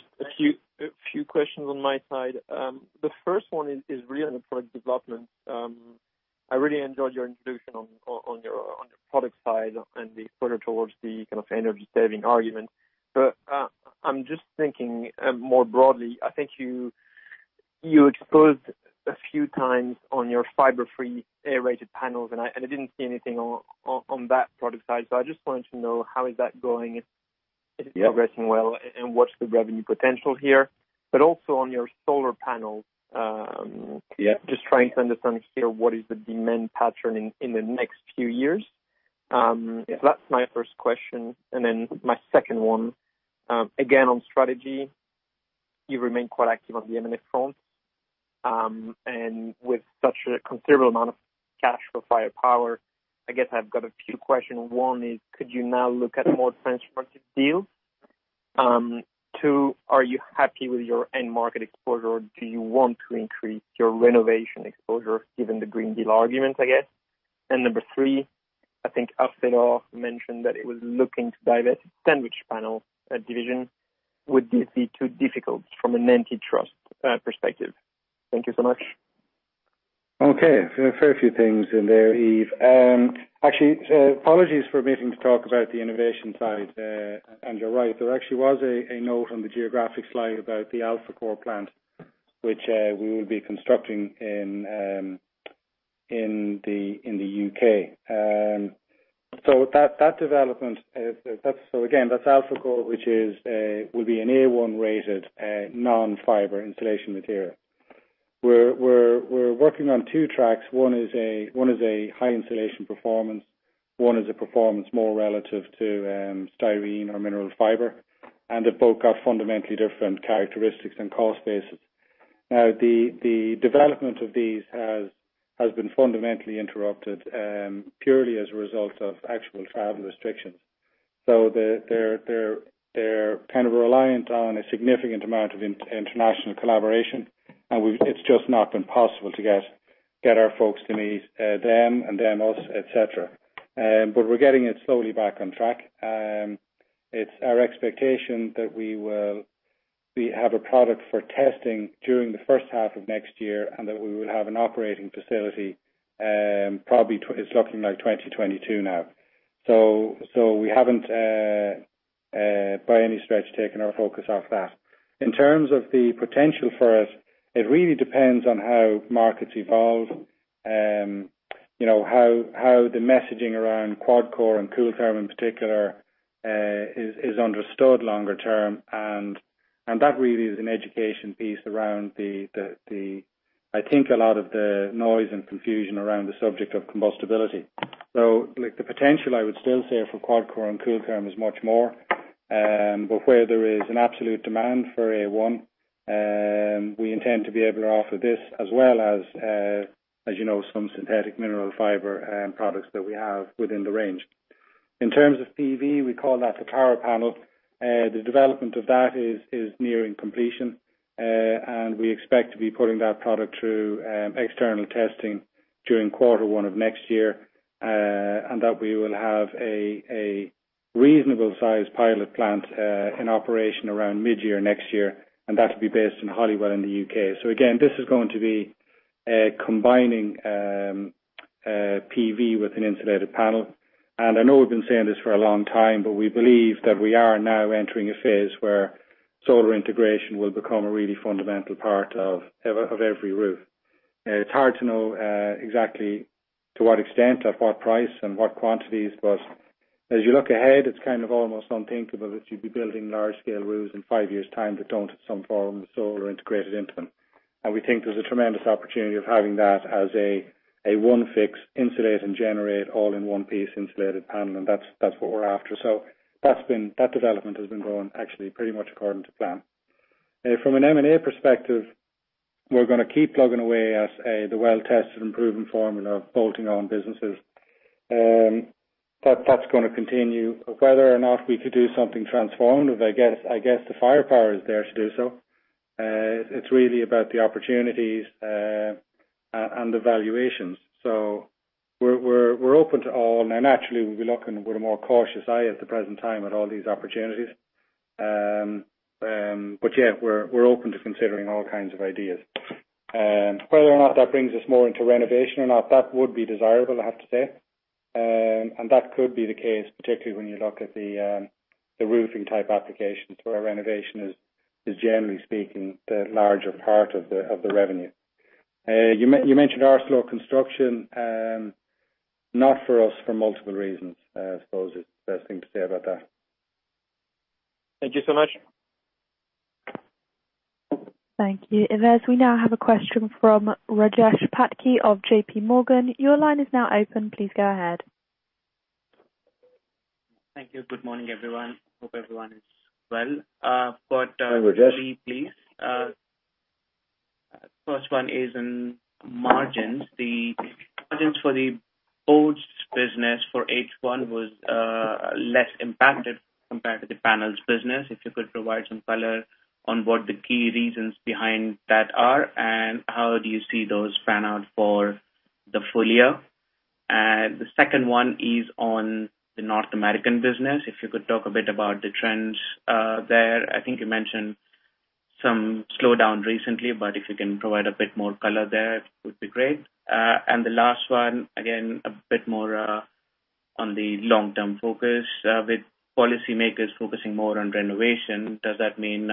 Just a few questions on my side. The first one is really on the product development. I really enjoyed your introduction on your product side and the further towards the kind of energy-saving argument. I'm just thinking more broadly, I think you exposed a few times on your fiber-free A1 rated panels, and I didn't see anything on that product side. I just wanted to know how is that going? Yeah. Is it progressing well, and what's the revenue potential here? Also on your solar panels. Yeah. Just trying to understand here what is the demand pattern in the next few years. Yeah. That's my first question. Then my second one, again, on strategy, you remain quite active on the M&A front. With such a considerable amount of cash for firepower, I guess I've got a few questions. One is, could you now look at more transformative deals? Two, are you happy with your end market exposure, or do you want to increase your renovation exposure given the Green Deal argument, I guess? Number three, I think Alcelor mentioned that it was looking to divest sandwich panel division. Would this be too difficult from an antitrust perspective? Thank you so much. Okay. A fair few things in there, Yves. Actually, apologies for omitting to talk about the innovation side. You're right, there actually was a note on the geographic slide about the Alcelor plant, which we will be constructing in the U.K. That development, so again, that's Alcelor, which will be an A1 rated non-fiber insulation material. We're working on two tracks. One is a high insulation performance, one is a performance more relative to styrene or mineral fiber, and they both have fundamentally different characteristics and cost bases. Now, the development of these has been fundamentally interrupted purely as a result of actual travel restrictions. They're kind of reliant on a significant amount of international collaboration, and it's just not been possible to get our folks to meet them and them us, et cetera. We're getting it slowly back on track. It's our expectation that we have a product for testing during the first half of next year, and that we will have an operating facility, probably it's looking like 2022 now. We haven't, by any stretch, taken our focus off that. In terms of the potential for us, it really depends on how markets evolve, how the messaging around QuadCore and Kooltherm in particular is understood longer term. That really is an education piece around, I think a lot of the noise and confusion around the subject of combustibility. The potential, I would still say, for QuadCore and Kooltherm is much more. Where there is an absolute demand for A1, we intend to be able to offer this as well as some synthetic mineral fiber products that we have within the range. In terms of PV, we call that the PowerPanel. The development of that is nearing completion. We expect to be putting that product through external testing during quarter one of next year. We will have a reasonable-sized pilot plant in operation around mid-year next year, and that'll be based in Holywell in the U.K. Again, this is going to be combining PV with an insulated panel. I know we've been saying this for a long time, but we believe that we are now entering a phase where solar integration will become a really fundamental part of every roof. It's hard to know exactly to what extent, at what price, and what quantities, but as you look ahead, it's kind of almost unthinkable that you'd be building large-scale roofs in five years' time that don't have some form of solar integrated into them. We think there's a tremendous opportunity of having that as a one-fix insulate and generate all in one piece insulated panel, and that's what we're after. That development has been going actually pretty much according to plan. From an M&A perspective, we're going to keep plugging away as the well-tested and proven formula of bolting on businesses. That's going to continue. Whether or not we could do something transformative, I guess the firepower is there to do so. It's really about the opportunities and the valuations. We're open to all, and naturally, we'll be looking with a more cautious eye at the present time at all these opportunities. Yeah, we're open to considering all kinds of ideas. Whether or not that brings us more into renovation or not, that would be desirable, I have to say. That could be the case, particularly when you look at the roofing-type applications where renovation is, generally speaking, the larger part of the revenue. You mentioned Arcelor Construction. Not for us for multiple reasons, I suppose is the best thing to say about that. Thank you so much. Thank you. Yves, we now have a question from Rajesh Patki of JPMorgan. Your line is now open. Please go ahead. Thank you. Good morning, everyone. Hope everyone is well. Hi, Rajesh. Got three, please. First one is on margins. The margins for the boards business for H1 was less impacted compared to the panels business. If you could provide some color on what the key reasons behind that are, and how do you see those pan out for the full year. The second one is on the North American business. If you could talk a bit about the trends there. I think you mentioned some slowdown recently, if you can provide a bit more color there, it would be great. The last one, again, a bit more on the long-term focus. With policymakers focusing more on renovation, does that mean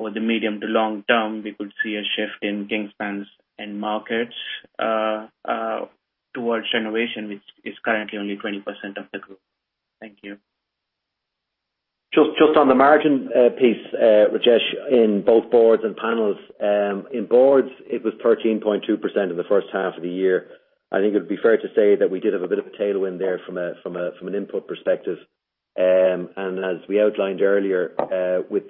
over the medium to long term, we could see a shift in Kingspan's end markets towards renovation, which is currently only 20% of the group? Thank you. Just on the margin piece, Rajesh, in both boards and panels. In boards, it was 13.2% in the first half of the year. I think it would be fair to say that we did have a bit of a tailwind there from an input perspective. As we outlined earlier, with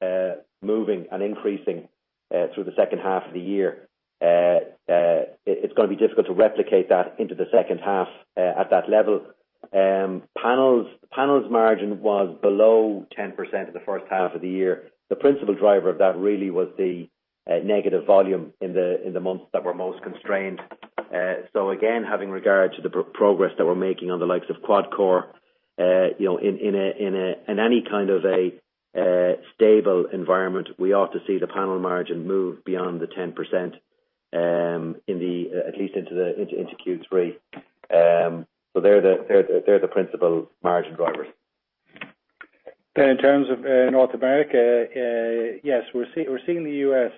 prices moving and increasing through the second half of the year, it's going to be difficult to replicate that into the second half at that level. Panels margin was below 10% in the first half of the year. The principal driver of that really was the negative volume in the months that were most constrained. Again, having regard to the progress that we're making on the likes of QuadCore, in any kind of a stable environment, we ought to see the panel margin move beyond the 10%, at least into Q3. They're the principal margin drivers. In terms of North America, yes, we're seeing the U.S.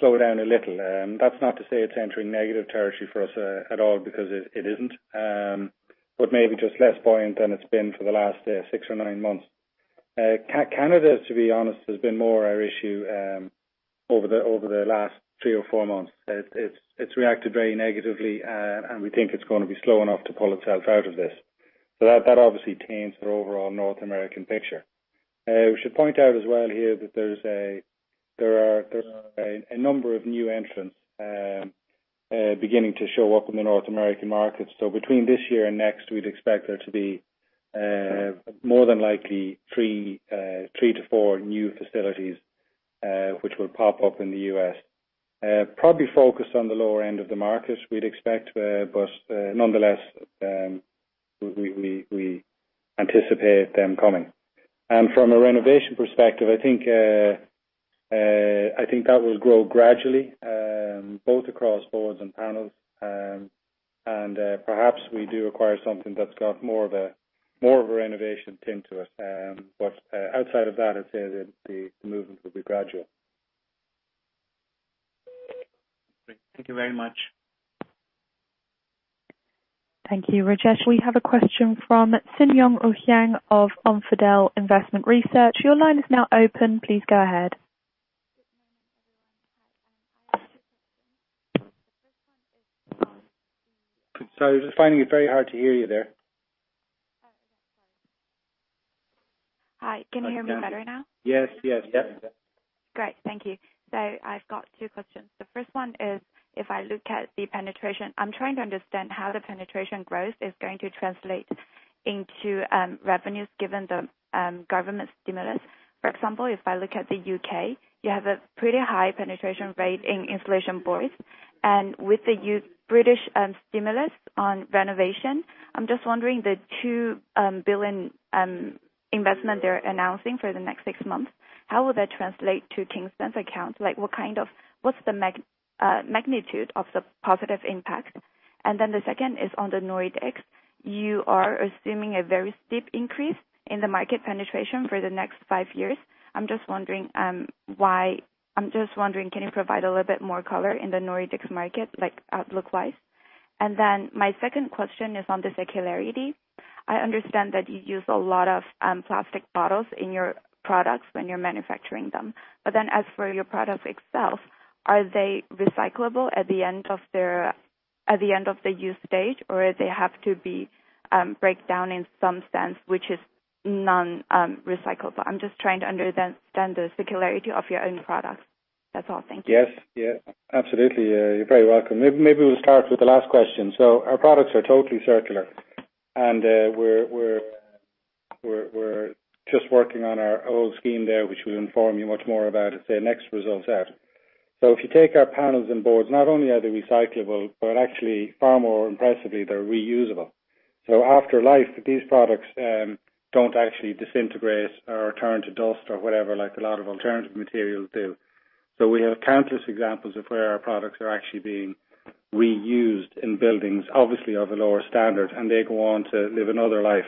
slow down a little. That's not to say it's entering negative territory for us at all because it isn't. Maybe just less buoyant than it's been for the last six or nine months. Canada, to be honest, has been more our issue over the last three or four months. It's reacted very negatively, and we think it's going to be slow enough to pull itself out of this. That obviously taints the overall North American picture. We should point out as well here that there's a number of new entrants beginning to show up in the North American market. Between this year and next, we'd expect there to be more than likely three to four new facilities which will pop up in the U.S., probably focused on the lower end of the market we'd expect but nonetheless, we anticipate them coming. From a renovation perspective, I think that will grow gradually both across boards and panels. Perhaps we do acquire something that's got more of a renovation tint to it. Outside of that, I'd say that the movement will be gradual. Great. Thank you very much. Thank you, Rajesh. We have a question from Seonyoung Oh Yang of Omfidel Investment Research. Your line is now open. Please go ahead. Sorry, just finding it very hard to hear you there. Hi, can you hear me better now? Yes. Great. Thank you. I've got two questions. The first one is, if I look at the penetration, I'm trying to understand how the penetration growth is going to translate into revenues given the government stimulus. For example, if I look at the U.K., you have a pretty high penetration rate in insulation boards. With the British stimulus on renovation, I'm just wondering the 2 billion investment they're announcing for the next six months, how will that translate to Kingspan's accounts? What's the magnitude of the positive impact? The second is on the Nordics. You are assuming a very steep increase in the market penetration for the next five years. I'm just wondering, can you provide a little bit more color in the Nordics market, outlook-wise? My second question is on the circularity. I understand that you use a lot of plastic bottles in your products when you're manufacturing them. As for your products itself, are they recyclable at the end of the use stage, or they have to be breakdown in some sense, which is non-recyclable? I'm just trying to understand the circularity of your own products. That's all. Thank you. Yes. Absolutely. You're very welcome. Maybe we'll start with the last question. Our products are totally circular, and we're just working on our old scheme there, which we'll inform you much more about at the next results out. If you take our panels and boards, not only are they recyclable, but actually far more impressively, they're reusable. After life, these products don't actually disintegrate or turn to dust or whatever, like a lot of alternative materials do. We have countless examples of where our products are actually being reused in buildings, obviously of a lower standard, and they go on to live another life,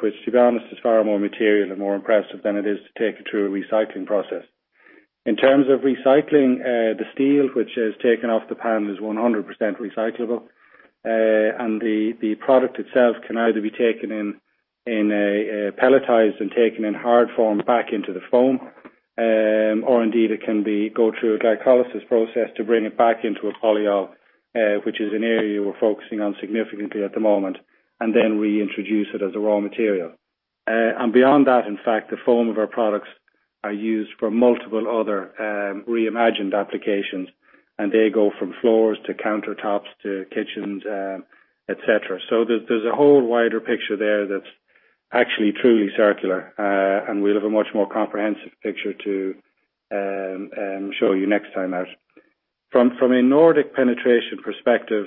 which to be honest, is far more material and more impressive than it is to take it through a recycling process. In terms of recycling, the steel which is taken off the panel is 100% recyclable. The product itself can either be pelletized and taken in hard form back into the foam, or indeed it can go through a glycolysis process to bring it back into a polyol, which is an area we're focusing on significantly at the moment, and then reintroduce it as a raw material. Beyond that, in fact, the foam of our products are used for multiple other reimagined applications, and they go from floors to countertops to kitchens, et cetera. There's a whole wider picture there that's actually truly circular, and we'll have a much more comprehensive picture to show you next time out. From a Nordic penetration perspective,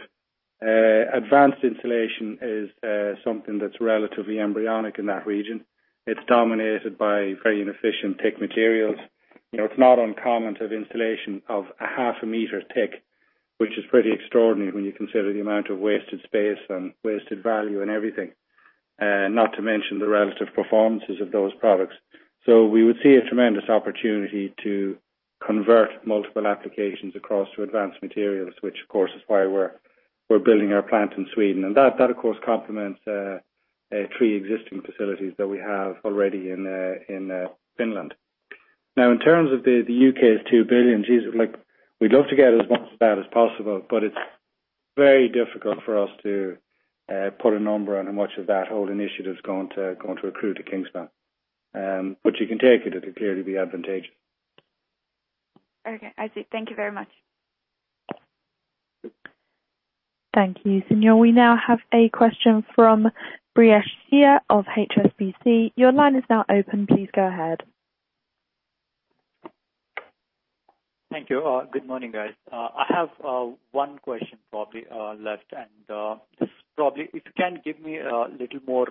advanced insulation is something that's relatively embryonic in that region. It's dominated by very inefficient thick materials. It's not uncommon to have insulation of a half a meter thick, which is pretty extraordinary when you consider the amount of wasted space and wasted value and everything, not to mention the relative performances of those products. We would see a tremendous opportunity to convert multiple applications across to advanced materials, which of course is why we're building our plant in Sweden, and that of course complements three existing facilities that we have already in Finland. In terms of the U.K.'s 2 billion, jeez, we'd love to get as much of that as possible, it's very difficult for us to put a number on how much of that whole initiative is going to accrue to Kingspan. You can take it'll clearly be advantageous. Okay. I see. Thank you very much. Thank you, Seonyoung. We now have a question from Brijesh Singh of HSBC. Your line is now open. Please go ahead. Thank you. Good morning, guys. I have one question probably left, and just probably if you can give me a little more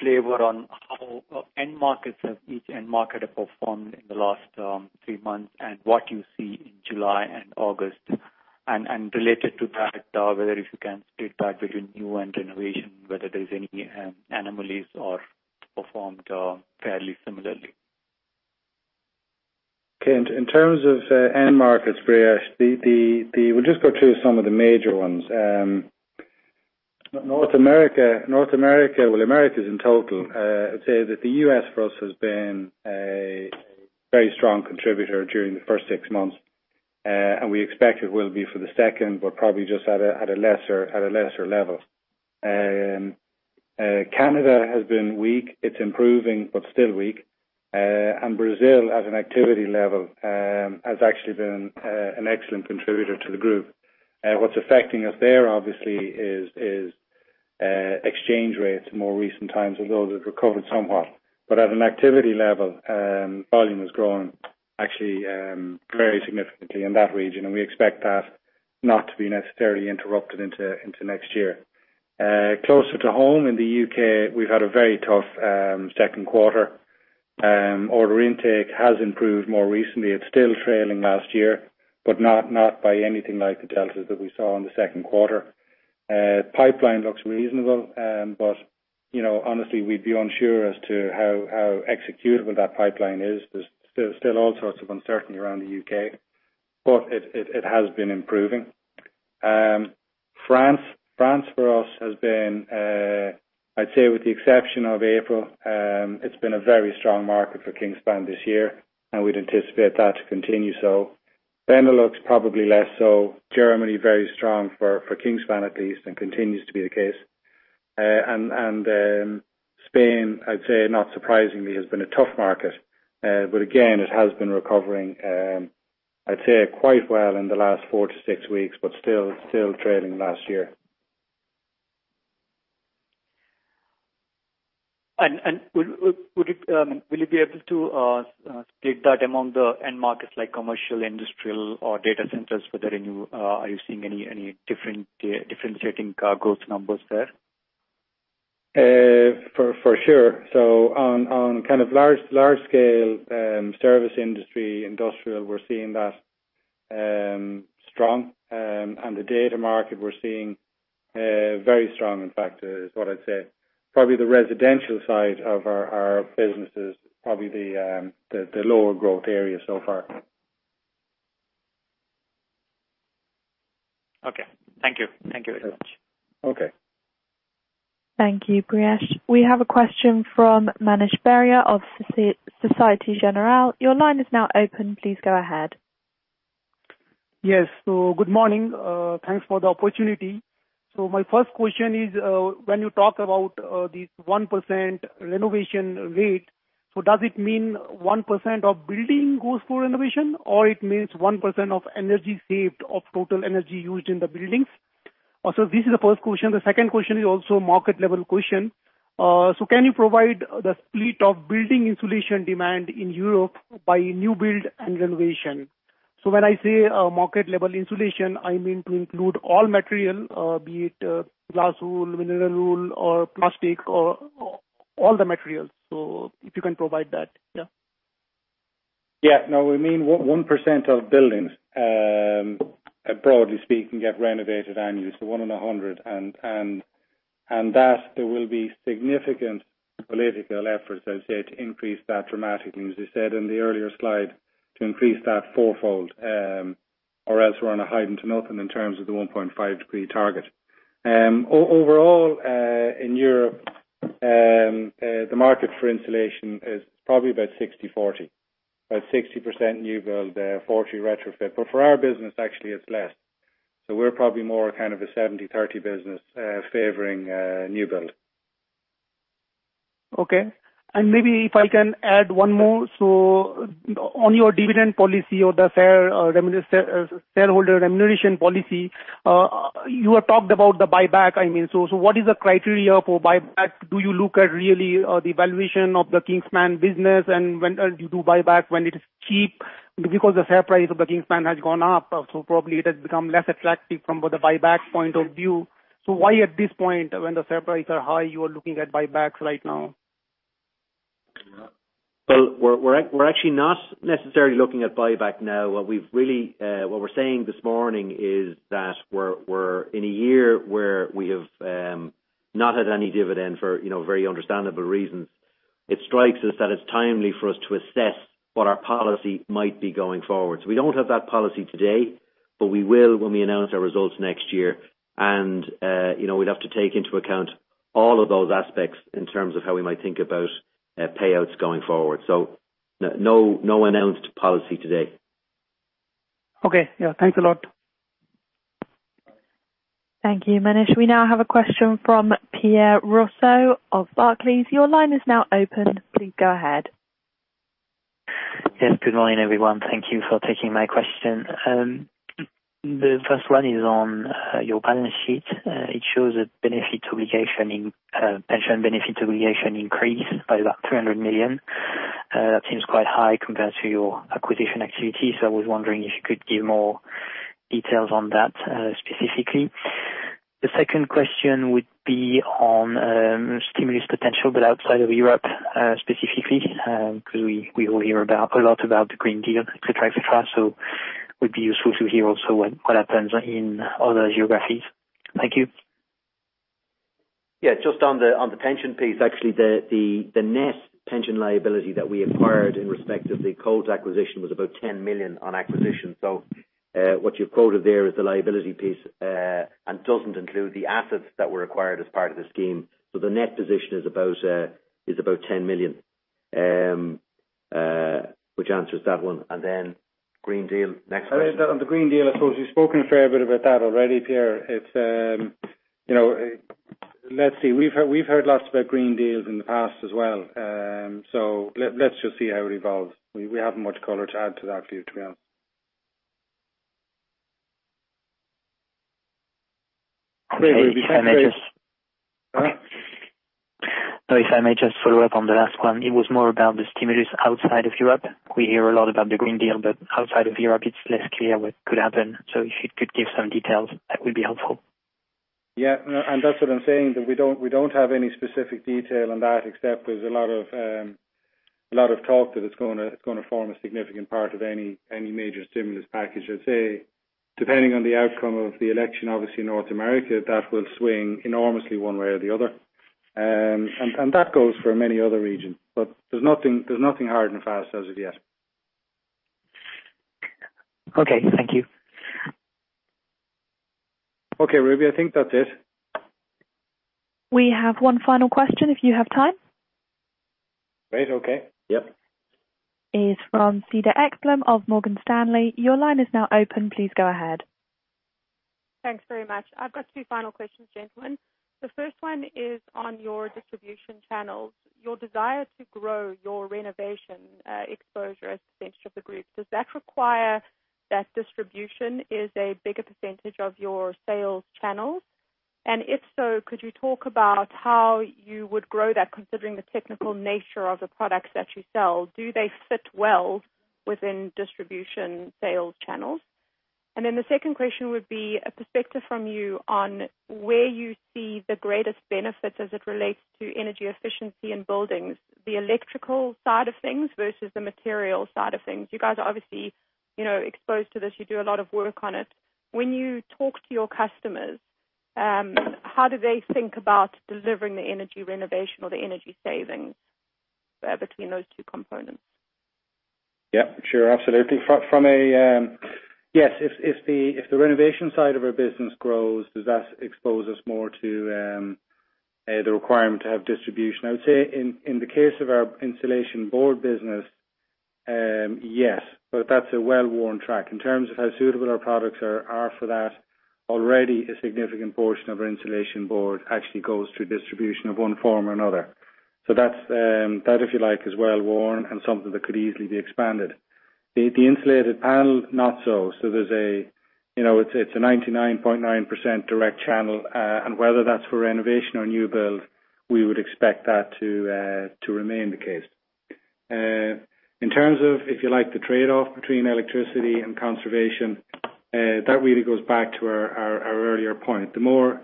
flavor on how each end market have performed in the last three months and what you see in July and August. Related to that, whether if you can split that between new and renovation, whether there's any anomalies or performed fairly similarly. Okay. In terms of end markets, Brijesh, we'll just go through some of the major ones. North America, well, Americas in total, I'd say that the U.S. for us has been a very strong contributor during the first six months. We expect it will be for the second, but probably just at a lesser level. Canada has been weak. It's improving, but still weak. Brazil as an activity level, has actually been an excellent contributor to the group. What's affecting us there obviously is exchange rates in more recent times, although they've recovered somewhat. At an activity level, volume has grown actually very significantly in that region, and we expect that not to be necessarily interrupted into next year. Closer to home in the U.K., we've had a very tough second quarter. Order intake has improved more recently. It's still trailing last year, but not by anything like the deltas that we saw in the second quarter. Pipeline looks reasonable, but honestly, we'd be unsure as to how executable that pipeline is. There's still all sorts of uncertainty around the U.K., but it has been improving. France for us has been, I'd say with the exception of April, it's been a very strong market for Kingspan this year, and we'd anticipate that to continue so. Benelux probably less so. Germany, very strong for Kingspan at least, and continues to be the case. Spain, I'd say not surprisingly, has been a tough market. Again, it has been recovering, I'd say quite well in the last four to six weeks, but still trailing last year. Will you be able to split that among the end markets like commercial, industrial, or data centers? Are you seeing any differentiating growth numbers there? For sure. On kind of large scale service industry, industrial, we're seeing that strong. The data market we're seeing very strong, in fact, is what I'd say. Probably the residential side of our business is probably the lower growth area so far. Okay. Thank you. Thank you very much. Okay. Thank you, Brijesh. We have a question from Manish Baria of Société Générale. Your line is now open. Please go ahead. Yes. Good morning. Thanks for the opportunity. My first question is, when you talk about this 1% renovation rate, does it mean 1% of building goes for renovation, or it means 1% of energy saved of total energy used in the buildings? This is the first question. The second question is also a market level question. Can you provide the split of building insulation demand in Europe by new build and renovation? When I say market level insulation, I mean to include all material, be it glass wool, mineral wool, or plastic, or all the materials. If you can provide that. Yeah. Yeah. No, we mean 1% of buildings, broadly speaking, get renovated annually, so one in 100. That there will be significant political effort, as I say, to increase that dramatically, as we said in the earlier slide, to increase that fourfold, or else we're on a hiding to nothing in terms of the 1.5 degree target. Overall, in Europe, the market for insulation is probably about 60/40. About 60% new build, 40% retrofit. For our business, actually, it's less. We're probably more kind of a 70/30 business favoring new build. Okay. Maybe if I can add one more. On your dividend policy or the shareholder remuneration policy, you had talked about the buyback. What is the criteria for buyback? Do you look at really the valuation of the Kingspan business and when you do buyback, when it is cheap? Because the share price of the Kingspan has gone up, so probably it has become less attractive from the buyback point of view. Why at this point when the share price are high, you are looking at buybacks right now? Well, we're actually not necessarily looking at buyback now. What we're saying this morning is that we're in a year where we have not had any dividend for very understandable reasons. It strikes us that it's timely for us to assess what our policy might be going forward. We don't have that policy today, but we will when we announce our results next year. We'd have to take into account all of those aspects in terms of how we might think about payouts going forward. No announced policy today. Okay. Yeah. Thanks a lot. Thank you, Manish. We now have a question from Pierre Rousseau of Barclays. Your line is now open. Please go ahead. Yes, good morning, everyone. Thank you for taking my question. The first one is on your balance sheet. It shows a pension benefit obligation increase by about 300 million. That seems quite high compared to your acquisition activities. I was wondering if you could give more details on that specifically. The second question would be on stimulus potential outside of Europe specifically, because we all hear a lot about the Green Deal, et cetera. It would be useful to hear also what happens in other geographies. Thank you. Yeah, just on the pension piece, actually, the net pension liability that we acquired in respect of the Colt Group's acquisition was about 10 million on acquisition. What you've quoted there is the liability piece and doesn't include the assets that were acquired as part of the scheme. The net position is about 10 million, which answers that one. Green Deal, next one. On the Green Deal, I suppose you've spoken a fair bit about that already, Pierre. Let's see. We've heard lots about Green Deals in the past as well. Let's just see how it evolves. We haven't much color to add to that for you to be honest. If I may just- Go on. If I may just follow up on the last one. It was more about the stimulus outside of Europe. We hear a lot about the Green Deal, outside of Europe it's less clear what could happen. If you could give some details, that would be helpful. Yeah. That's what I'm saying, that we don't have any specific detail on that except there's a lot of talk that it's going to form a significant part of any major stimulus package. I'd say, depending on the outcome of the election, obviously in North America, that will swing enormously one way or the other. That goes for many other regions. There's nothing hard and fast as of yet. Okay. Thank you. Okay, Ruby, I think that's it. We have one final question if you have time. Great. Okay. Yep. Is from Cedar Ekblom of Morgan Stanley. Your line is now open. Please go ahead. Thanks very much. I've got two final questions, gentlemen. The first one is on your distribution channels. Your desire to grow your renovation exposure as a percentage of the group, does that require that distribution is a bigger percentage of your sales channels? If so, could you talk about how you would grow that considering the technical nature of the products that you sell? Do they fit well within distribution sales channels? The second question would be a perspective from you on where you see the greatest benefit as it relates to energy efficiency in buildings, the electrical side of things versus the material side of things. You guys are obviously exposed to this. You do a lot of work on it. When you talk to your customers, how do they think about delivering the energy renovation or the energy savings between those two components? Yeah. Sure. Absolutely. Yes, if the renovation side of our business grows, does that expose us more to the requirement to have distribution? I would say in the case of our insulation board business, yes, but that's a well-worn track. In terms of how suitable our products are for that, already a significant portion of our insulation board actually goes through distribution of one form or another. That, if you like, is well worn and something that could easily be expanded. The insulated panel, not so. It's a 99.9% direct channel, and whether that's for renovation or new build, we would expect that to remain the case. In terms of, if you like, the trade-off between electricity and conservation, that really goes back to our earlier point. The more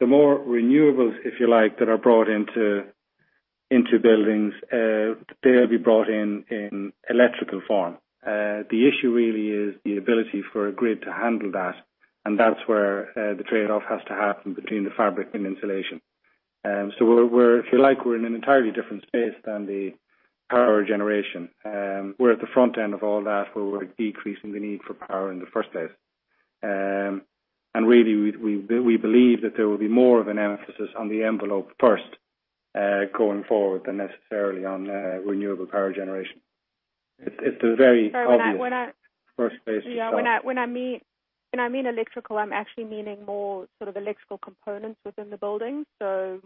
renewables, if you like, that are brought into buildings, they'll be brought in in electrical form. The issue really is the ability for a grid to handle that. That's where the trade-off has to happen between the fabric and insulation. If you like, we're in an entirely different space than the power generation. We're at the front end of all that, where we're decreasing the need for power in the first place. Really, we believe that there will be more of an emphasis on the envelope first, going forward, than necessarily on renewable power generation. It's a very obvious first place to start. When I mean electrical, I'm actually meaning more sort of electrical components within the building,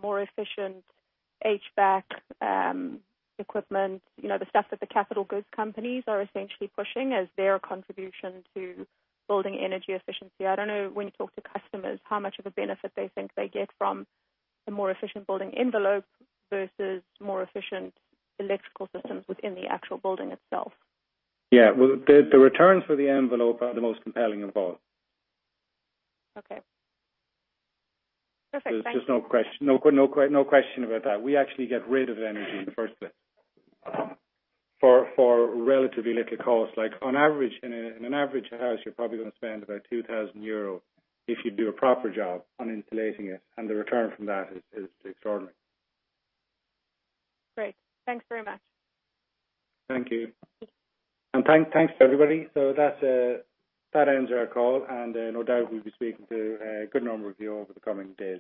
more efficient HVAC equipment, the stuff that the capital goods companies are essentially pushing as their contribution to building energy efficiency. I don't know, when you talk to customers, how much of a benefit they think they get from a more efficient building envelope versus more efficient electrical systems within the actual building itself. Yeah. Well, the returns for the envelope are the most compelling of all. Okay. Perfect. Thanks. There's just no question about that. We actually get rid of energy in the first place for relatively little cost. On average, in an average house, you're probably going to spend about 2,000 euro if you do a proper job on insulating it, and the return from that is extraordinary. Great. Thanks very much. Thank you. Thanks to everybody. That ends our call, and no doubt we'll be speaking to a good number of you over the coming days.